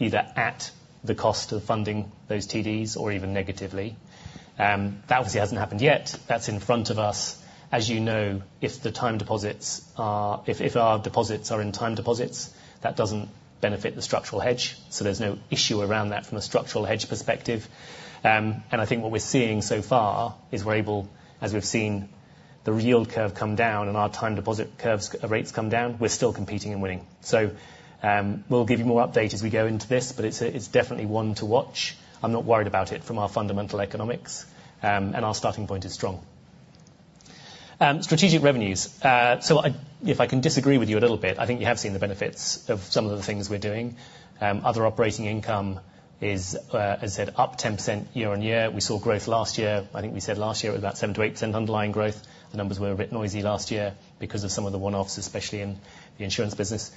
either at the cost of funding those TDs or even negatively. That obviously hasn't happened yet. That's in front of us. As you know, if our deposits are in time deposits, that doesn't benefit the structural hedge. So there's no issue around that from a structural hedge perspective. I think what we're seeing so far is we're able, as we've seen the yield curve come down and our time deposit rates come down, we're still competing and winning. So we'll give you more update as we go into this. But it's definitely one to watch. I'm not worried about it from our fundamental economics. Our starting point is strong. Strategic revenues. If I can disagree with you a little bit, I think you have seen the benefits of some of the things we're doing. Other operating income is, as I said, up 10% year-over-year. We saw growth last year. I think we said last year it was about 7%-8% underlying growth. The numbers were a bit noisy last year because of some of the one-offs, especially in the insurance business.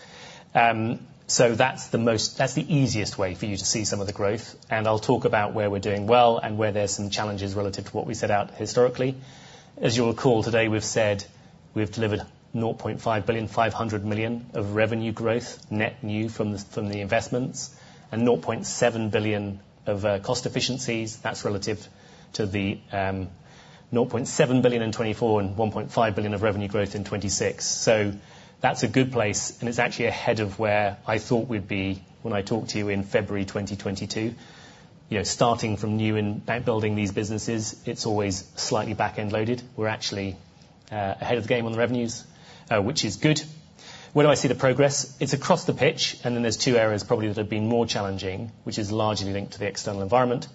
So that's the easiest way for you to see some of the growth. And I'll talk about where we're doing well and where there's some challenges relative to what we set out historically. As you'll recall, today we've said we've delivered 0.5 billion, 500 million of revenue growth net new from the investments, and 0.7 billion of cost efficiencies. That's relative to the 0.7 billion in 2024 and 1.5 billion of revenue growth in 2026. So that's a good place. And it's actually ahead of where I thought we'd be when I talked to you in February 2022. Starting from new and building these businesses, it's always slightly back-end loaded. We're actually ahead of the game on the revenues, which is good. Where do I see the progress? It's across the pitch. Then there's two areas probably that have been more challenging, which is largely linked to the external environment.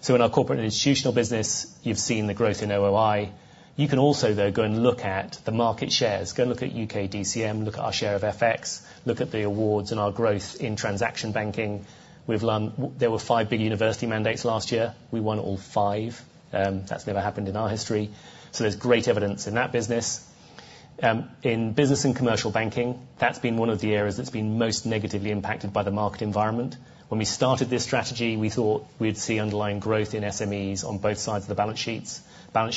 So in our corporate and institutional business, you've seen the growth in OOI. You can also, though, go and look at the market shares. Go and look at UKDCM. Look at our share of FX. Look at the awards and our growth in transaction banking. There were five big university mandates last year. We won all five. That's never happened in our history. So there's great evidence in that business. In business and commercial banking, that's been one of the areas that's been most negatively impacted by the market environment. When we started this strategy, we thought we'd see underlying growth in SMEs on both sides of the balance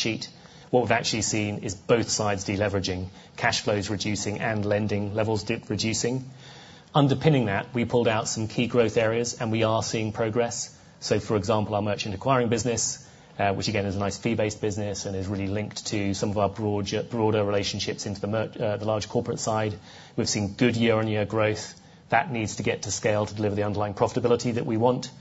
sheet. What we've actually seen is both sides deleveraging, cash flows reducing, and lending levels reducing. Underpinning that, we pulled out some key growth areas, and we are seeing progress. So for example, our merchant acquiring business, which again is a nice fee-based business and is really linked to some of our broader relationships into the large corporate side. We've seen good year-on-year growth. That needs to get to scale to deliver the underlying profitability that we want.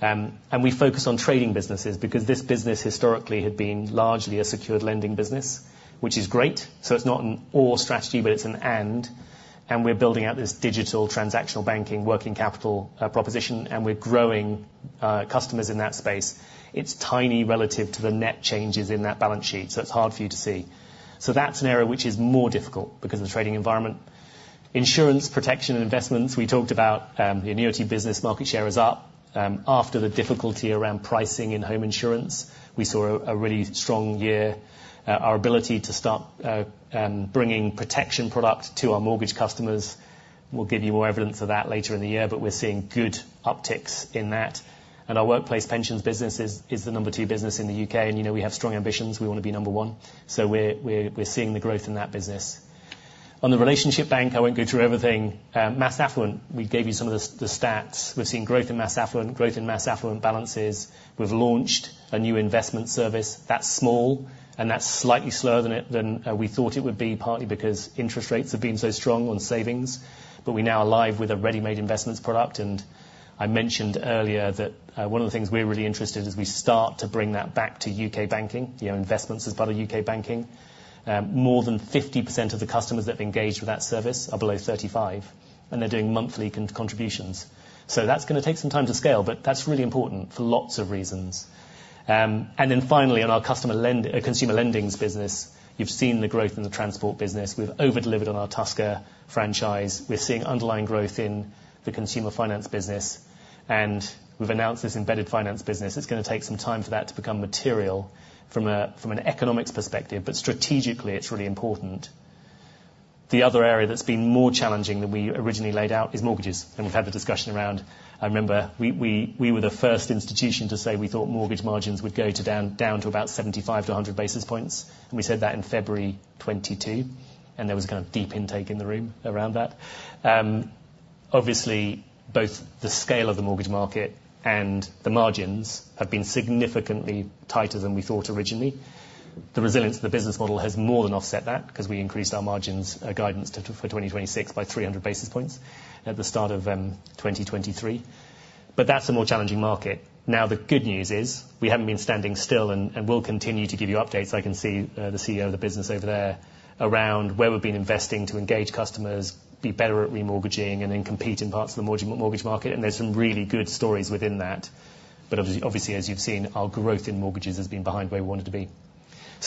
And we focus on trading businesses because this business historically had been largely a secured lending business, which is great. So it's not an all-strategy, but it's an and. And we're building out this digital transactional banking working capital proposition. And we're growing customers in that space. It's tiny relative to the net changes in that balance sheet. So it's hard for you to see. So that's an area which is more difficult because of the trading environment. Insurance, protection, and investments, we talked about. The annuity business market share is up. After the difficulty around pricing in home insurance, we saw a really strong year. Our ability to start bringing protection product to our mortgage customers will give you more evidence of that later in the year. But we're seeing good upticks in that. And our workplace pensions business is the number two business in the UK. And we have strong ambitions. We want to be number one. So we're seeing the growth in that business. On the relationship bank, I won't go through everything. Mass Affluent, we gave you some of the stats. We've seen growth in Mass Affluent, growth in Mass Affluent balances. We've launched a new investment service. That's small. And that's slightly slower than we thought it would be, partly because interest rates have been so strong on savings. But we now are live with a Ready-Made Investments product. I mentioned earlier that one of the things we're really interested in is we start to bring that back to UK banking, investments as part of UK banking. More than 50% of the customers that have engaged with that service are below 35. They're doing monthly contributions. So that's going to take some time to scale. But that's really important for lots of reasons. Then finally, in our consumer lending business, you've seen the growth in the transport business. We've overdelivered on our Tusker franchise. We're seeing underlying growth in the consumer finance business. And we've announced this embedded finance business. It's going to take some time for that to become material from an economics perspective. But strategically, it's really important. The other area that's been more challenging than we originally laid out is mortgages. We've had the discussion around it. I remember we were the first institution to say we thought mortgage margins would go down to about 75-100 basis points. We said that in February 2022. There was kind of deep intake in the room around that. Obviously, both the scale of the mortgage market and the margins have been significantly tighter than we thought originally. The resilience of the business model has more than offset that because we increased our margins guidance for 2026 by 300 basis points at the start of 2023. That's a more challenging market. Now, the good news is we haven't been standing still and will continue to give you updates. I can see the CEO of the business over there around where we've been investing to engage customers, be better at remortgaging, and then compete in parts of the mortgage market. There's some really good stories within that. Obviously, as you've seen, our growth in mortgages has been behind where we wanted to be.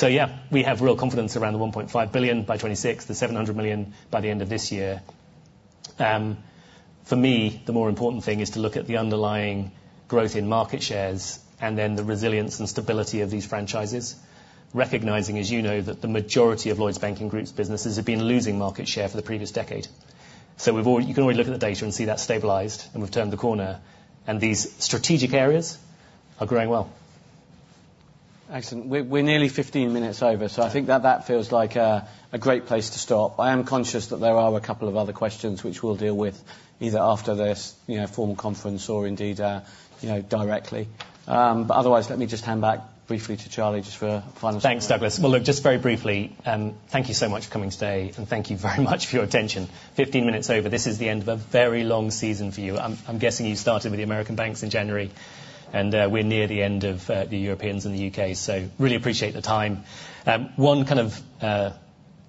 Yeah, we have real confidence around the 1.5 billion by 2026, the 700 million by the end of this year. For me, the more important thing is to look at the underlying growth in market shares and then the resilience and stability of these franchises, recognizing, as you know, that the majority of Lloyds Banking Group's businesses have been losing market share for the previous decade. You can already look at the data and see that's stabilized. We've turned the corner. These strategic areas are growing well. Excellent. We're nearly 15 minutes over. So I think that that feels like a great place to stop. I am conscious that there are a couple of other questions which we'll deal with either after this formal conference or indeed directly. But otherwise, let me just hand back briefly to Charlie just for a final. Thanks, Douglas. Well, look, just very briefly, thank you so much for coming today. And thank you very much for your attention. 15 minutes over. This is the end of a very long season for you. I'm guessing you started with the American banks in January. And we're near the end of the Europeans and the UK. So really appreciate the time. One kind of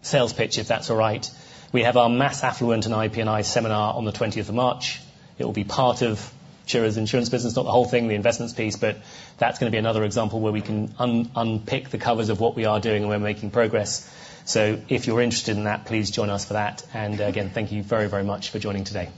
sales pitch, if that's all right. We have our Mass Affluent and IP&I seminar on the 20th of March. It will be part of Chirantanan's insurance business, not the whole thing, the investments piece. But that's going to be another example where we can unpick the covers of what we are doing and where we're making progress. So if you're interested in that, please join us for that. And again, thank you very, very much for joining today.